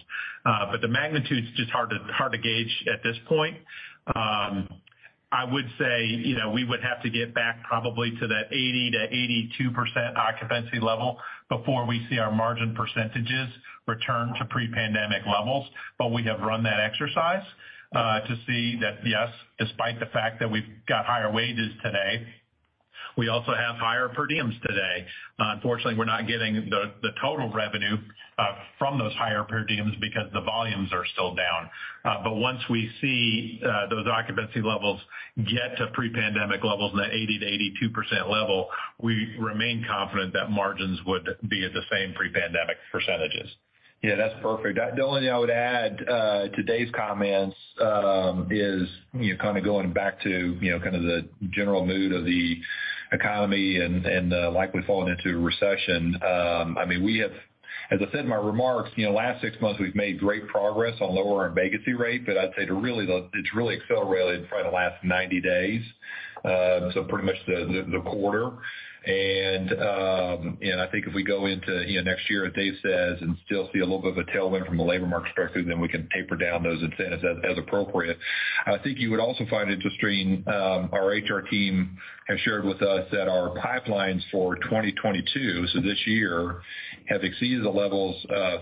The magnitude is just hard to gauge at this point. I would say, you know, we would have to get back probably to that 80%-82% occupancy level before we see our margin percentages return to pre-pandemic levels. We have run that exercise to see that, yes, despite the fact that we've got higher wages today, we also have higher per diems today. Unfortunately, we're not getting the total revenue from those higher per diems because the volumes are still down. Once we see those occupancy levels get to pre-pandemic levels, the 80%-82% level, we remain confident that margins would be at the same pre-pandemic percentages. Yeah, that's perfect. The only thing I would add to Dave's comments is, you know, kind of going back to, you know, kind of the general mood of the economy and likely falling into a recession. I mean, we have as I said in my remarks, you know, last six months, we've made great progress on lowering our vacancy rate, but I'd say it's really accelerated probably the last 90 days, so pretty much the quarter. I think if we go into, you know, next year, as Dave says, and still see a little bit of a tailwind from the labor market perspective, then we can taper down those incentives as appropriate. I think you would also find interesting, our HR team have shared with us that our pipelines for 2022, so this year, have exceeded the levels.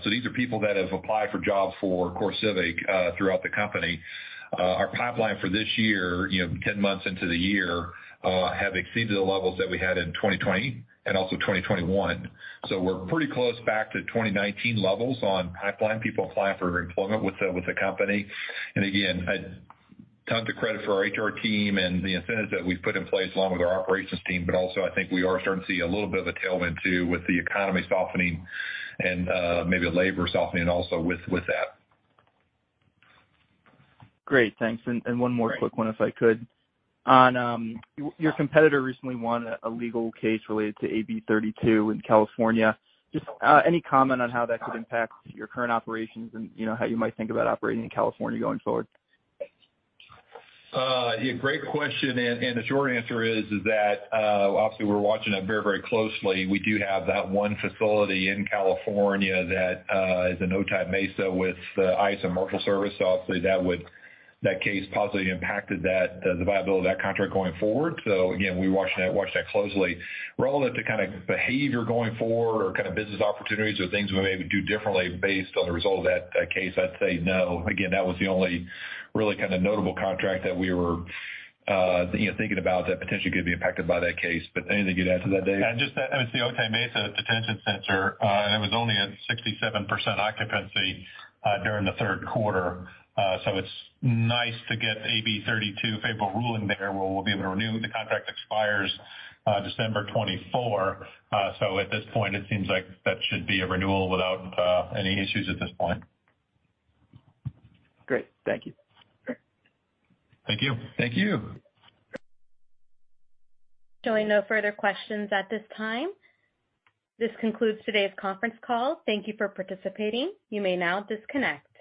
These are people that have applied for jobs for CoreCivic, throughout the company. Our pipeline for this year, you know, 10 months into the year, have exceeded the levels that we had in 2020 and also 2021. We're pretty close back to 2019 levels on pipeline, people applying for employment with the company. Tons of credit for our HR team and the incentives that we've put in place, along with our operations team. I think we are starting to see a little bit of a tailwind, too, with the economy softening and, maybe labor softening also with that. Great. Thanks. One more quick one if I could. On your competitor recently won a legal case related to AB 32 in California. Just any comment on how that could impact your current operations and, you know, how you might think about operating in California going forward? Yeah, great question. The short answer is that obviously we're watching that very closely. We do have that one facility in California that is in Otay Mesa with ICE and Marshals Service. Obviously that case positively impacted the viability of that contract going forward. Again, we're watching that closely. Relevant to kind of behavior going forward or kind of business opportunities or things we maybe do differently based on the result of that case, I'd say no. Again, that was the only really kind of notable contract that we were, you know, thinking about that potentially could be impacted by that case. Anything to add to that, Dave? Just that it's the Otay Mesa Detention Center, and it was only at 67% occupancy during the third quarter. It's nice to get the AB 32 favorable ruling there, where we'll be able to renew. The contract expires December 2024. At this point, it seems like that should be a renewal without any issues at this point. Great. Thank you. Thank you. Thank you. Showing no further questions at this time. This concludes today's conference call. Thank you for participating. You may now disconnect.